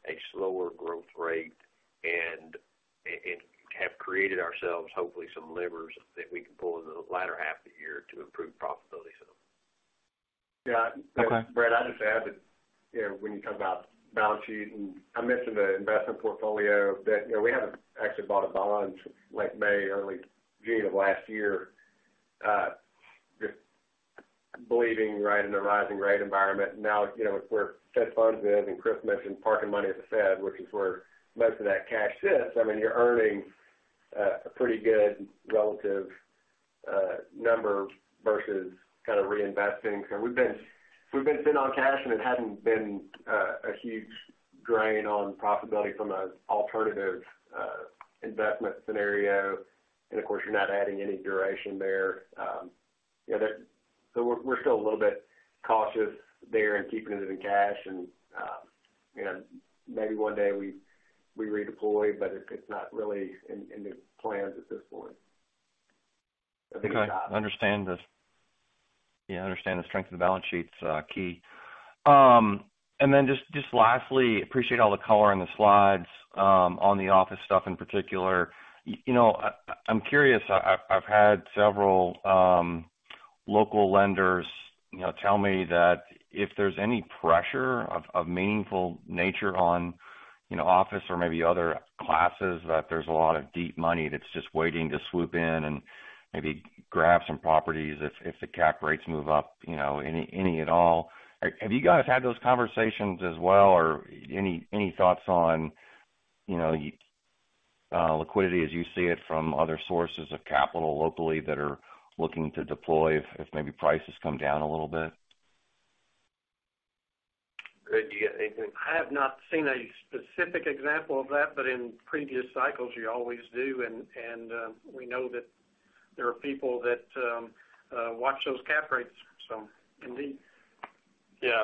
a slower growth rate and have created ourselves hopefully some levers that we can pull in the latter half of the year to improve profitability some. Yeah. Okay. Brett Rabatin, I'll just add that, you know, when you talk about balance sheet, I mentioned the investment portfolio that, you know, we haven't actually bought a bond late May, early June of last year, just believing right in the rising rate environment. You know, with where Fed Funds is, Chris Holmes mentioned parking money at the Fed, which is where most of that cash sits, I mean, you're earning a pretty good relative number versus kind of reinvesting. We've been sitting on cash, and it hadn't been a huge drain on profitability from an alternative investment scenario. Of course, you're not adding any duration there. You know, we're still a little bit cautious there in keeping it in cash and, you know, maybe one day we redeploy, but it's not really in the plans at this point. Okay. I understand this. Yeah, I understand the strength of the balance sheet's key. Just lastly, appreciate all the color on the slides, on the office stuff in particular. You know, I'm curious, I've had several local lenders, you know, tell me that if there's any pressure of meaningful nature on, you know, office or maybe other classes, that there's a lot of deep money that's just waiting to swoop in and maybe grab some properties if the cap rates move up, you know, any at all. Have you guys had those conversations as well, or any thoughts on, you know, liquidity as you see it from other sources of capital locally that are looking to deploy if maybe prices come down a little bit? Greg, do you got anything? I have not seen a specific example of that, but in previous cycles, you always do. We know that there are people that watch those cap rates, so indeed. Yeah.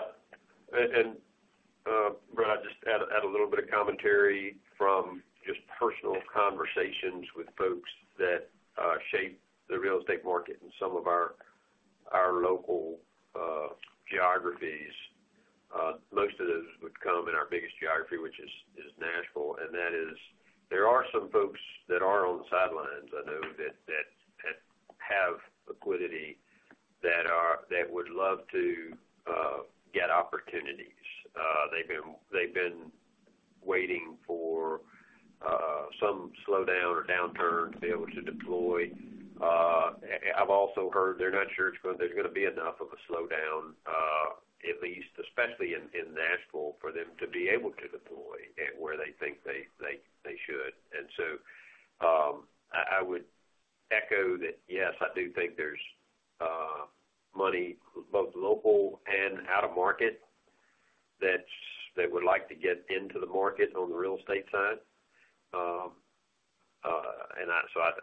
Brett, I'll just add a little bit of commentary from just personal conversations with folks that shape the real estate market in some of our local geographies. Most of those would come in our biggest geography, which is Nashville. That is, there are some folks that are on the sidelines, I know that have liquidity that would love to get opportunities. They've been waiting for some slowdown or downturn to be able to deploy. I've also heard they're not sure if there's gonna be enough of a slowdown, at least especially in Nashville, for them to be able to deploy at where they think they should. I would echo that, yes, I do think there's money, both local and out of market, that would like to get into the market on the real estate side.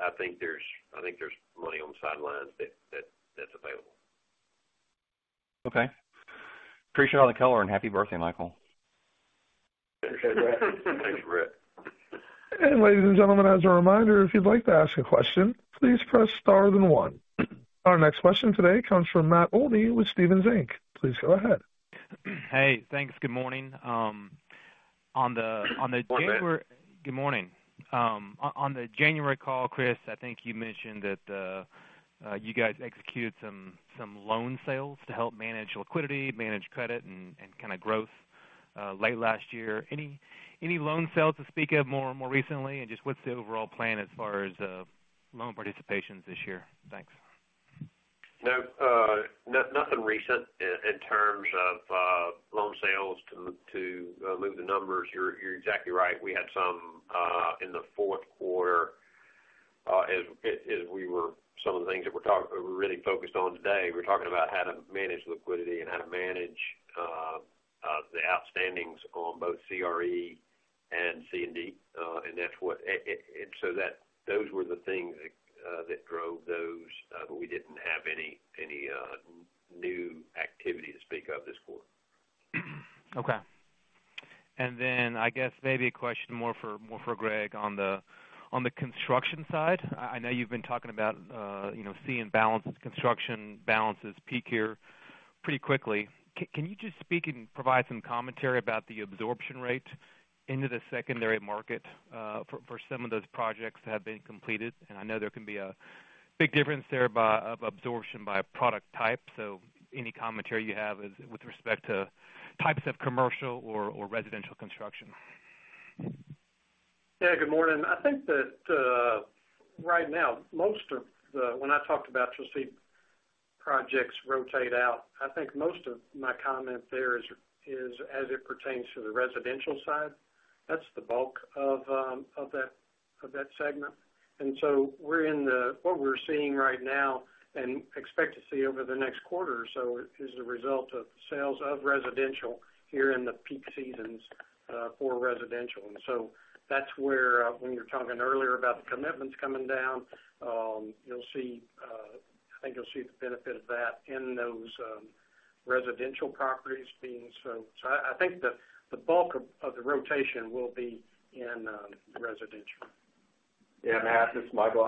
I think there's money on the sidelines that's available. Okay. Appreciate all the color, and happy birthday, Michael. Appreciate it, Brett. Thanks, Brett. Ladies and gentlemen, as a reminder, if you'd like to ask a question, please press Star then one. Our next question today comes from Matt Olney with Stephens Inc. Please go ahead. Hey, thanks. Good morning. on the January-. Good morning. Good morning. On the January call, Chris, I think you mentioned that you guys executed some loan sales to help manage liquidity, manage credit and kind of growth late last year. Any loan sales to speak of more recently? Just what's the overall plan as far as loan participations this year? Thanks. No, nothing recent in terms of loan sales to move the numbers. You're exactly right. We had some in the fourth quarter, as we're really focused on today, we're talking about how to manage liquidity and how to manage the outstandings on both CRE and C&D. Those were the things that drove those. We didn't have any new activity to speak of this quarter. Okay. I guess maybe a question more for Greg on the construction side. I know you've been talking about, you know, seeing balances, construction balances peak here pretty quickly. Can you just speak and provide some commentary about the absorption rate into the secondary market for some of those projects that have been completed? I know there can be a big difference there of absorption by product type. Any commentary you have is with respect to types of commercial or residential construction. Yeah. Good morning. I think that, right now, when I talked about you'll see projects rotate out, I think most of my comment there is as it pertains to the residential side. That's the bulk of that segment. What we're seeing right now and expect to see over the next quarter or so is the result of sales of residential here in the peak seasons for residential. That's where, when you're talking earlier about the commitments coming down, you'll see, I think you'll see the benefit of that in those residential properties being so. I think the bulk of the rotation will be in residential. Yeah, Matt, this is Michael.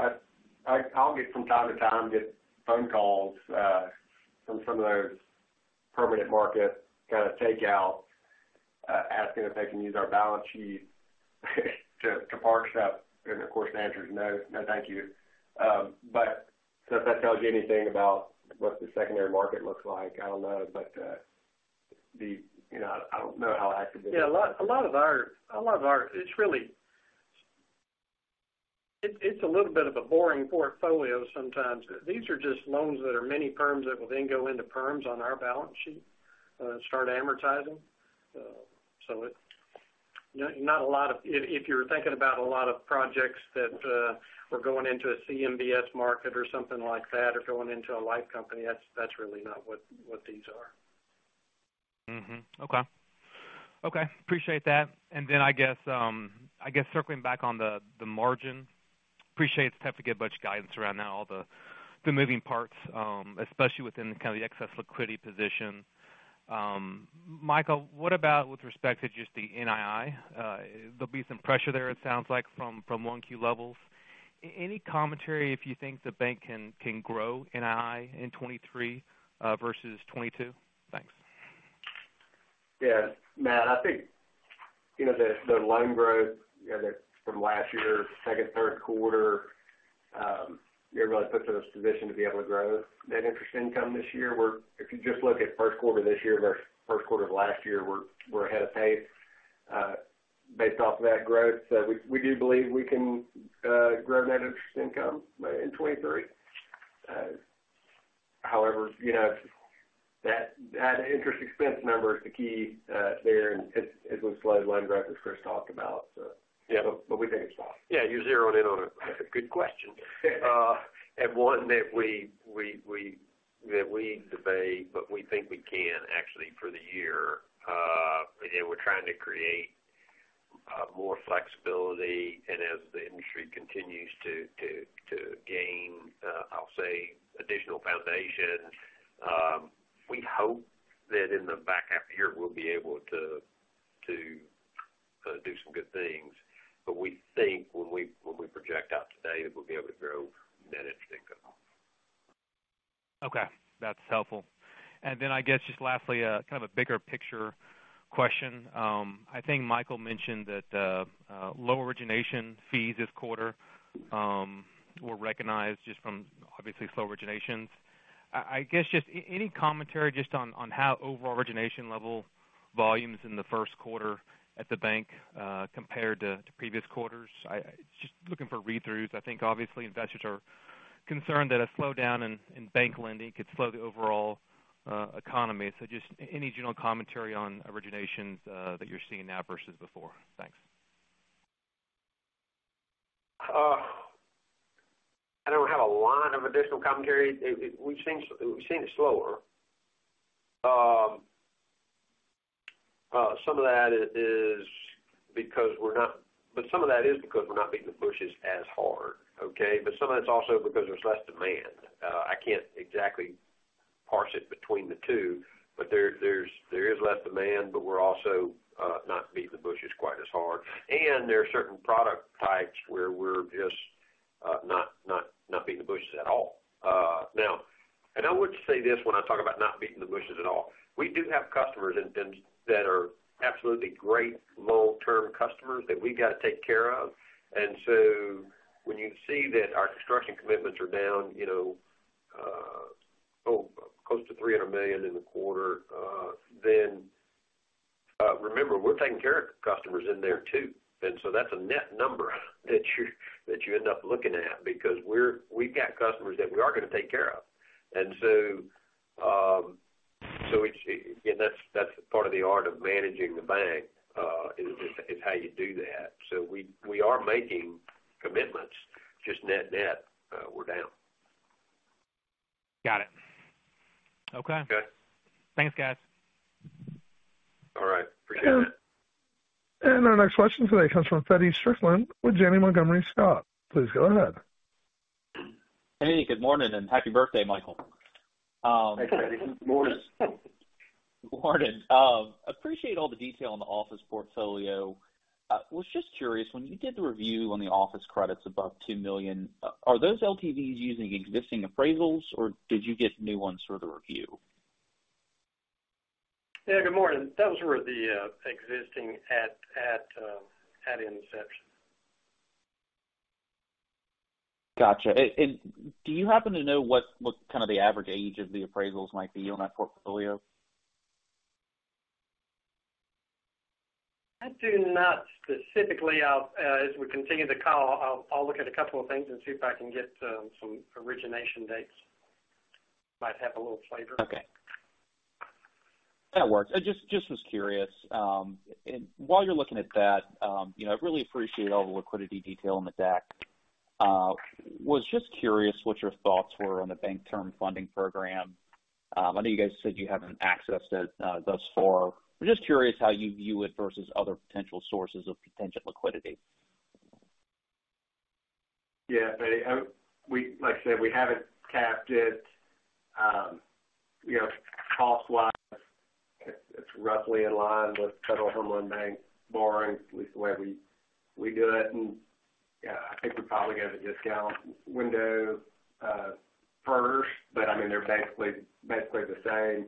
I'll get from time to time, get phone calls from some of those permanent market kind of take out, asking if they can use our balance sheet to park stuff. Of course, the answer is no, thank you. Does that tell you anything about what the secondary market looks like? I don't know. The, you know, I don't know how active it is. Yeah, a lot of our. It's a little bit of a boring portfolio sometimes. These are just loans that are many firms that will then go into firms on our balance sheet, start amortizing. Not a lot of. If you're thinking about a lot of projects that were going into a CMBS market or something like that, or going into a life company, that's really not what these are. Okay. Okay. Appreciate that. I guess circling back on the margin, appreciate it's tough to get a bunch of guidance around now, all the moving parts, especially within kind of the excess liquidity position. Michael, what about with respect to just the NII? There'll be some pressure there, it sounds like from 1Q levels. Any commentary if you think the bank can grow NII in 2023 versus 2022? Thanks. Yeah. Matt Olney, I think, you know, the loan growth from last year, second, third quarter, it really puts us in a position to be able to grow net interest income this year, where if you just look at first quarter this year versus first quarter of last year, we're ahead of pace based off of that growth. We do believe we can grow net interest income in 2023. However, you know, that interest expense number is the key there, and it's with slow loan growth, as Chris Holmes talked about. Yeah. We think it's lost. Yeah, you zeroed in on a good question. One that we debate, but we think we can actually for the year. Again, we're trying to create more flexibility. As the industry continues to gain, I'll say, additional foundation, we hope that in the back half of the year, we'll be able to do some good things. We think when we project out today, that we'll be able to grow net interest income. Okay. That's helpful. I guess just lastly, kind of a bigger picture question. I think Michael mentioned that low origination fees this quarter were recognized just from obviously slow originations. I guess just any commentary on how overall origination level volumes in the first quarter at the bank, compared to previous quarters. Just looking for read-throughs. I think obviously investors are concerned that a slowdown in bank lending could slow the overall economy. Just any general commentary on originations that you're seeing now versus before. Thanks. I don't have a lot of additional commentary. We've seen it slower. Some of that is because we're not beating the bushes as hard. Okay? Some of that's also because there's less demand. I can't exactly parse it between the two, but there is less demand, but we're also not beating the bushes quite as hard. There are certain product types where we're just not beating the bushes at all. Now, I would say this when I talk about not beating the bushes at all, we do have customers that are absolutely great long-term customers that we got to take care of. When you see that our construction commitments are down, you know, close to $300 million in the quarter, then, remember, we're taking care of customers in there too. That's a net number that you end up looking at because we've got customers that we are gonna take care of. Again, that's part of the art of managing the bank, is how you do that. We are making commitments, just net-net, we're down. Got it. Okay. Okay. Thanks, guys. All right. Appreciate it. Our next question today comes from Feddie Strickland with Janney Montgomery Scott. Please go ahead. Hey. Good morning, and happy birthday, Michael. Thanks, Feddie. Good morning. Good morning. Appreciate all the detail on the office portfolio. Was just curious, when you did the review on the office credits above $2 million, are those LTVs using existing appraisals, or did you get new ones for the review? Yeah. Good morning. Those were the existing at inception. Gotcha. Do you happen to know what kind of the average age of the appraisals might be on that portfolio? I do not specifically. As we continue the call, I'll look at a couple of things and see if I can get some origination dates. Might have a little flavor. Okay. That works. I just was curious. While you're looking at that, you know, I really appreciate all the liquidity detail in the deck. Was just curious what your thoughts were on the Bank Term Funding Program. I know you guys said you haven't accessed it thus far. I'm just curious how you view it versus other potential sources of potential liquidity. Yeah, Feddie, like I said, we have it capped at, you know, cost-wise it's roughly in line with Federal Home Loan Bank borrowing, at least the way we do it. Yeah, I think we probably get a discount window first, but I mean, they're basically the same.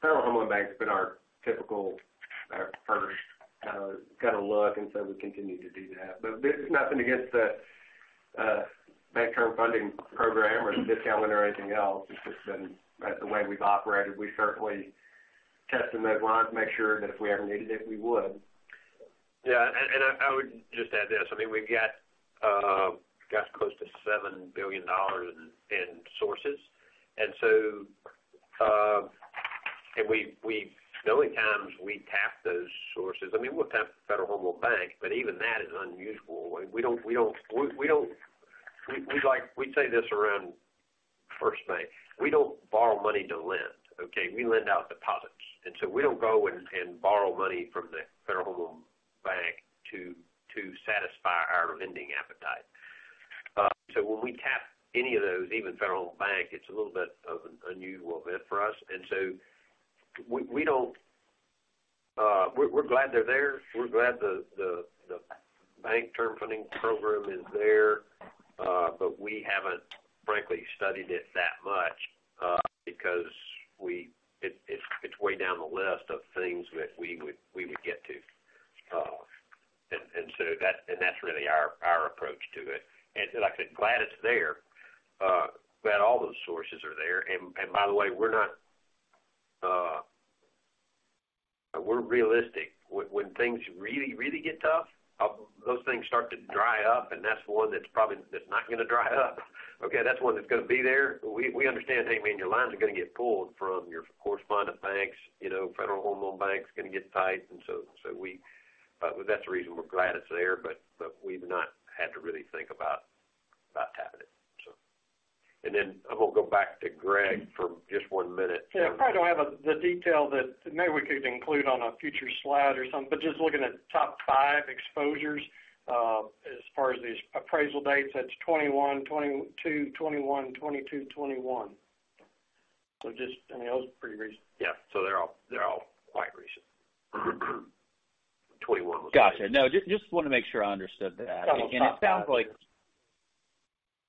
Federal Home Loan Bank has been our typical, our first go-to look, and so we continue to do that. There's nothing against the Bank Term Funding Program or discount window or anything else. It's just been the way we've operated. We certainly test them as well to make sure that if we ever needed it, we would. Yeah. I would just add this, I mean, we've got close to $7 billion in sources. The only times we tap those sources, I mean, we'll tap Federal Home Loan Bank, but even that is unusual. We don't say this around FirstBank, we don't borrow money to lend, okay? We lend out deposits. We don't go and borrow money from the Federal Home Loan Bank to satisfy our lending appetite. When we tap any of those, even Federal Home Bank, it's a little bit of an unusual event for us. We don't. We're glad they're there. We're glad the Bank Term Funding Program is there, but we haven't frankly studied it that much, because it's way down the list of things that we would get to. That's really our approach to it. Like I said, glad it's there, glad all those sources are there. By the way, we're not... We're realistic. When things really get tough, those things start to dry up, and that's one that's probably just not gonna dry up. Okay? That's one that's gonna be there. We understand, hey, man, your lines are gonna get pulled from your correspondent banks, you know, Federal Home Loan Bank's gonna get tight, so we, that's the reason we're glad it's there, but we've not had to really think about tapping it, so. I'm gonna go back to Greg for just one minute. Yeah. I probably don't have the detail that maybe we could include on a future slide or something, but just looking at top five exposures, as far as these appraisal dates, that's 21, 22, 21, 22, 21. Just, I mean, that was pretty recent. Yeah. They're all quite recent. 2021 was. Gotcha. No, just wanna make sure I understood that. Got it. Top five. It sounds like...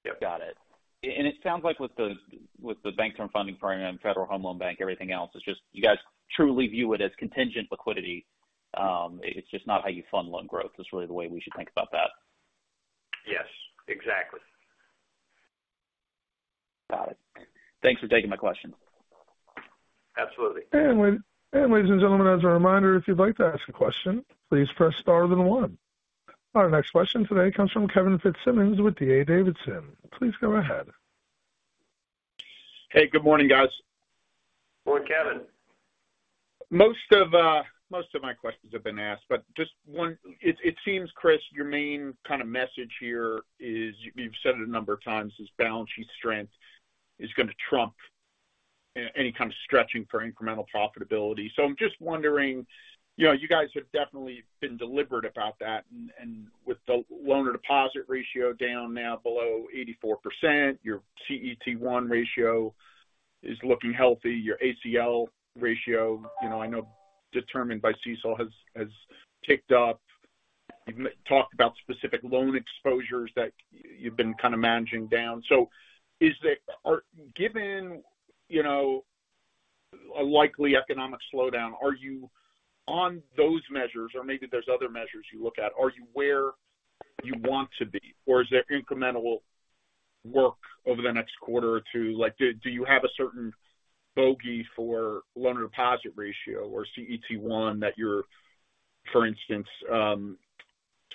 Yeah. Got it. It sounds like with the Bank Term Funding Program, Federal Home Loan Bank, everything else is just you guys truly view it as contingent liquidity. It's just not how you fund loan growth. That's really the way we should think about that. Yes, exactly. Got it. Thanks for taking my question. Absolutely. ladies and gentlemen, as a reminder, if you'd like to ask a question, please press star then 1. Our next question today comes from Kevin Fitzsimmons with D.A. Davidson. Please go ahead. Hey, good morning, guys. Morning, Kevin. Most of my questions have been asked, it seems, Chris, your main kind of message here is you've said it a number of times, is balance sheet strength is going to trump any kind of stretching for incremental profitability. I'm just wondering, you know, you guys have definitely been deliberate about that and with the loaner deposit ratio down now below 84%, your CET1 ratio is looking healthy, your ACL ratio, you know, I know determined by CECL has ticked up. You've talked about specific loan exposures that you've been kind of managing down. Are, given, you know, a likely economic slowdown, are you on those measures or maybe there's other measures you look at, are you where you want to be, or is there incremental work over the next quarter or 2? Like, do you have a certain bogey for loan deposit ratio or CET1 that you're, for instance,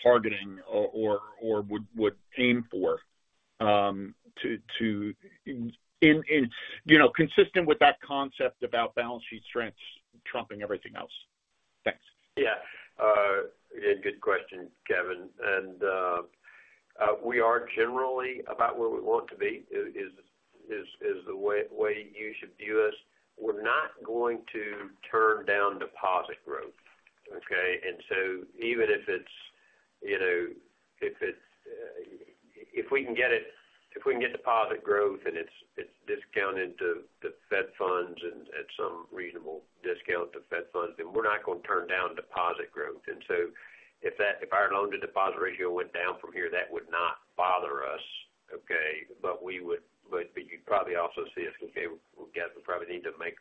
targeting or would aim for, to you know, consistent with that concept about balance sheet strengths trumping everything else? Thanks. Yeah. Again, good question, Kevin. We are generally about where we want to be, is the way you should view us. We're not going to turn down deposit growth, okay? Even if it's, you know, if we can get deposit growth and it's discounted to Fed Funds and at some reasonable discountThe Fed Funds, then we're not gonna turn down deposit growth. If our loan to deposit ratio went down from here, that would not bother us. Okay. You'd probably also see us, okay, we probably need to make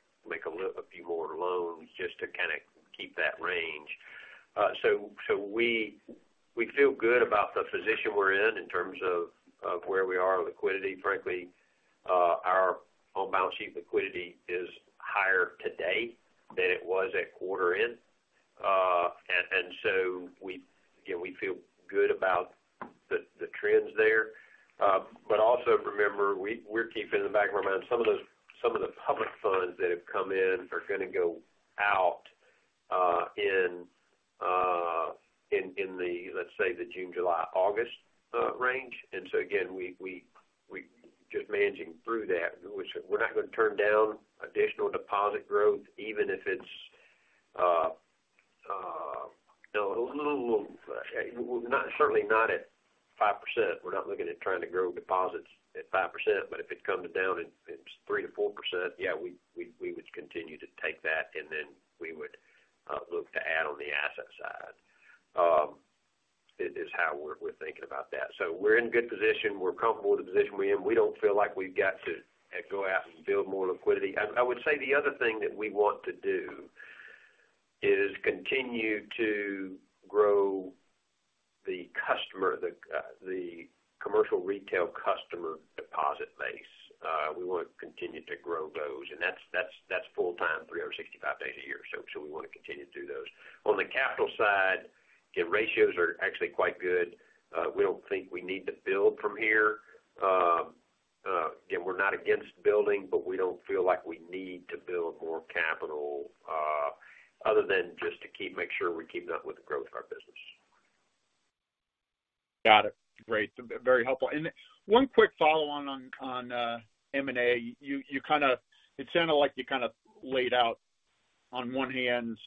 a few more loans just to kinda keep that range. We feel good about the position we're in in terms of where we are with liquidity. Frankly, our on-balance sheet liquidity is higher today than it was at quarter end. We, you know, we feel good about the trends there. Also remember, we're keeping in the back of our mind some of the public funds that have come in are gonna go out in the, let's say, the June, July, August range. Again, we're just managing through that. We're not gonna turn down additional deposit growth even if it's, you know, a little, well not, certainly not at 5%. We're not looking at trying to grow deposits at 5%, If it comes down and it's 3%-4%, yeah, we would continue to take that and then we would look to add on the asset side, is how we're thinking about that. We're in good position. We're comfortable with the position we're in. We don't feel like we've got to go out and build more liquidity. I would say the other thing that we want to do is continue to grow the customer, the commercial retail customer deposit base. We wanna continue to grow those, and that's full-time, 365 days a year. We wanna continue to do those. On the capital side, again, ratios are actually quite good. We don't think we need to build from here. Again, we're not against building, but we don't feel like we need to build more capital, other than just to keep make sure we're keeping up with the growth of our business. Got it. Great. Very helpful. One quick follow on M&A. You, it sounded like you kind of laid out on one hand,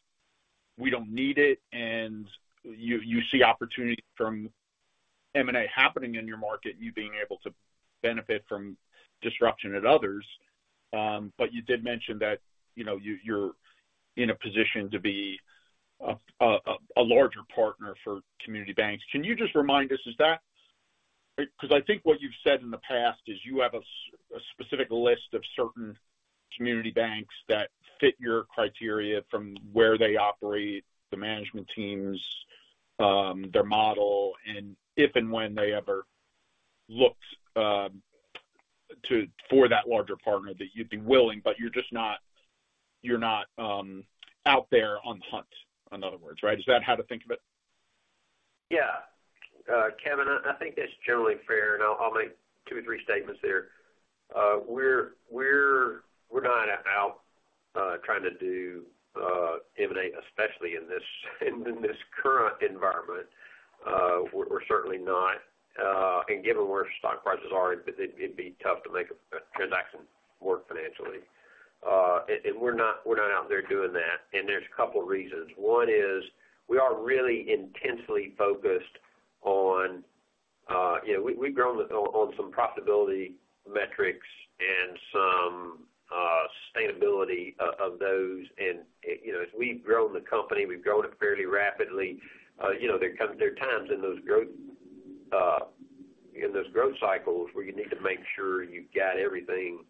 we don't need it, you see opportunity from M&A happening in your market, you being able to benefit from disruption at others. You did mention that, you know, you're in a position to be a larger partner for community banks. Can you just remind us, is that? I think what you've said in the past is you have a specific list of certain community banks that fit your criteria from where they operate, the management teams, their model, if and when they ever looked for that larger partner, that you'd be willing, you're just not out there on the hunt, in other words, right? Is that how to think of it? Yeah. Kevin, I think that's generally fair, and I'll make two or three statements there. We're not out trying to do M&A, especially in this current environment. We're certainly not. Given where stock prices are, it'd be tough to make a transaction work financially. We're not out there doing that, and there's a couple reasons. One is we are really intensely focused on, you know, we've grown on some profitability metrics and some sustainability of those. You know, as we've grown the company, we've grown it fairly rapidly. You know, there are times in those growth, in those growth cycles where you need to make sure you've got everything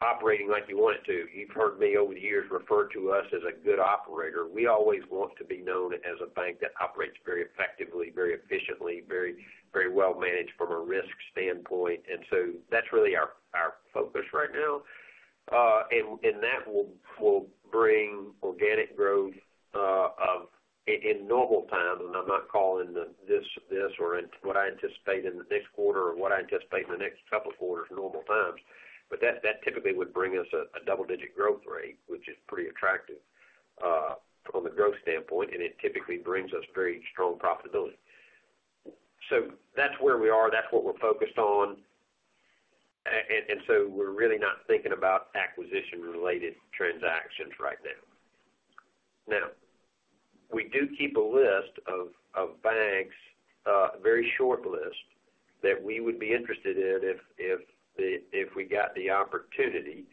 operating like you want it to. You've heard me over the years refer to us as a good operator. We always want to be known as a bank that operates very effectively, very efficiently, very well managed from a risk standpoint. That's really our focus right now. that will bring organic growth In normal times, and I'm not calling this or what I anticipate in the next quarter or what I anticipate in the next couple of quarters normal times, but that typically would bring us a double-digit growth rate, which is pretty attractive from a growth standpoint, and it typically brings us very strong profitability. That's where we are. That's what we're focused on. we're really not thinking about acquisition-related transactions right now. We do keep a list of banks, a very short list, that we would be interested in if we got the opportunity.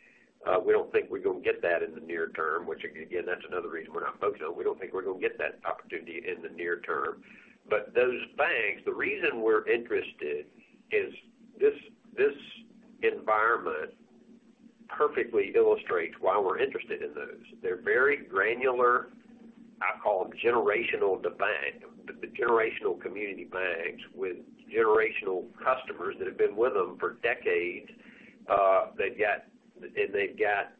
We don't think we're gonna get that in the near-term, which again, that's another reason we're not focused on. We don't think we're gonna get that opportunity in the near-term. Those banks, the reason we're interested is this environment perfectly illustrates why we're interested in those. They're very granular. I call them the generational community banks with generational customers that have been with them for decades. They've got,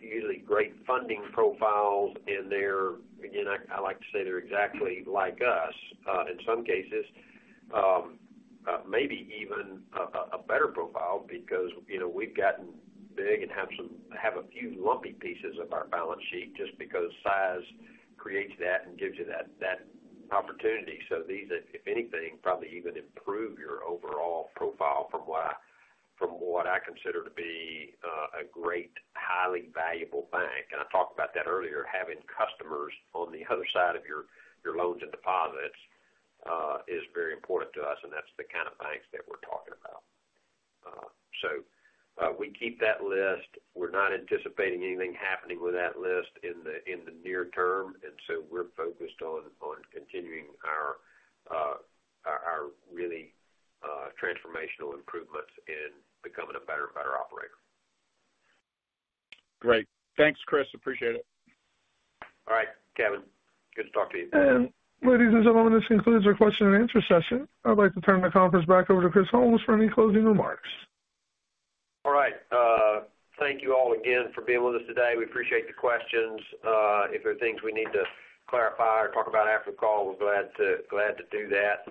usually great funding profiles, and they're, again, I like to say they're exactly like us in some cases. maybe even a better profile because, you know, we've gotten big and have a few lumpy pieces of our balance sheet just because size creates that and gives you that opportunity. These are, if anything, probably even improve your overall profile from what I consider to be a great, highly valuable bank. I talked about that earlier. Having customers on the other side of your loans and deposits is very important to us, and that's the kind of banks that we're talking about. We keep that list. We're not anticipating anything happening with that list in the near-term. We're focused on continuing our really transformational improvements in becoming a better and better operator. Great. Thanks, Chris. Appreciate it. Kevin, good to talk to you. Ladies and gentlemen, this concludes our question and answer session. I'd like to turn the conference back over to Chris Holmes for any closing remarks. All right. Thank you all again for being with us today. We appreciate the questions. If there are things we need to clarify or talk about after the call, we're glad to do that.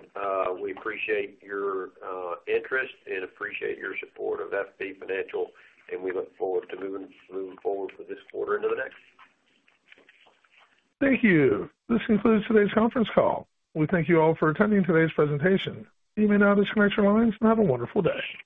We appreciate your interest and appreciate your support of FB Financial, and we look forward to moving forward for this quarter into the next. Thank you. This concludes today's conference call. We thank you all for attending today's presentation. You may now disconnect your lines and have a wonderful day.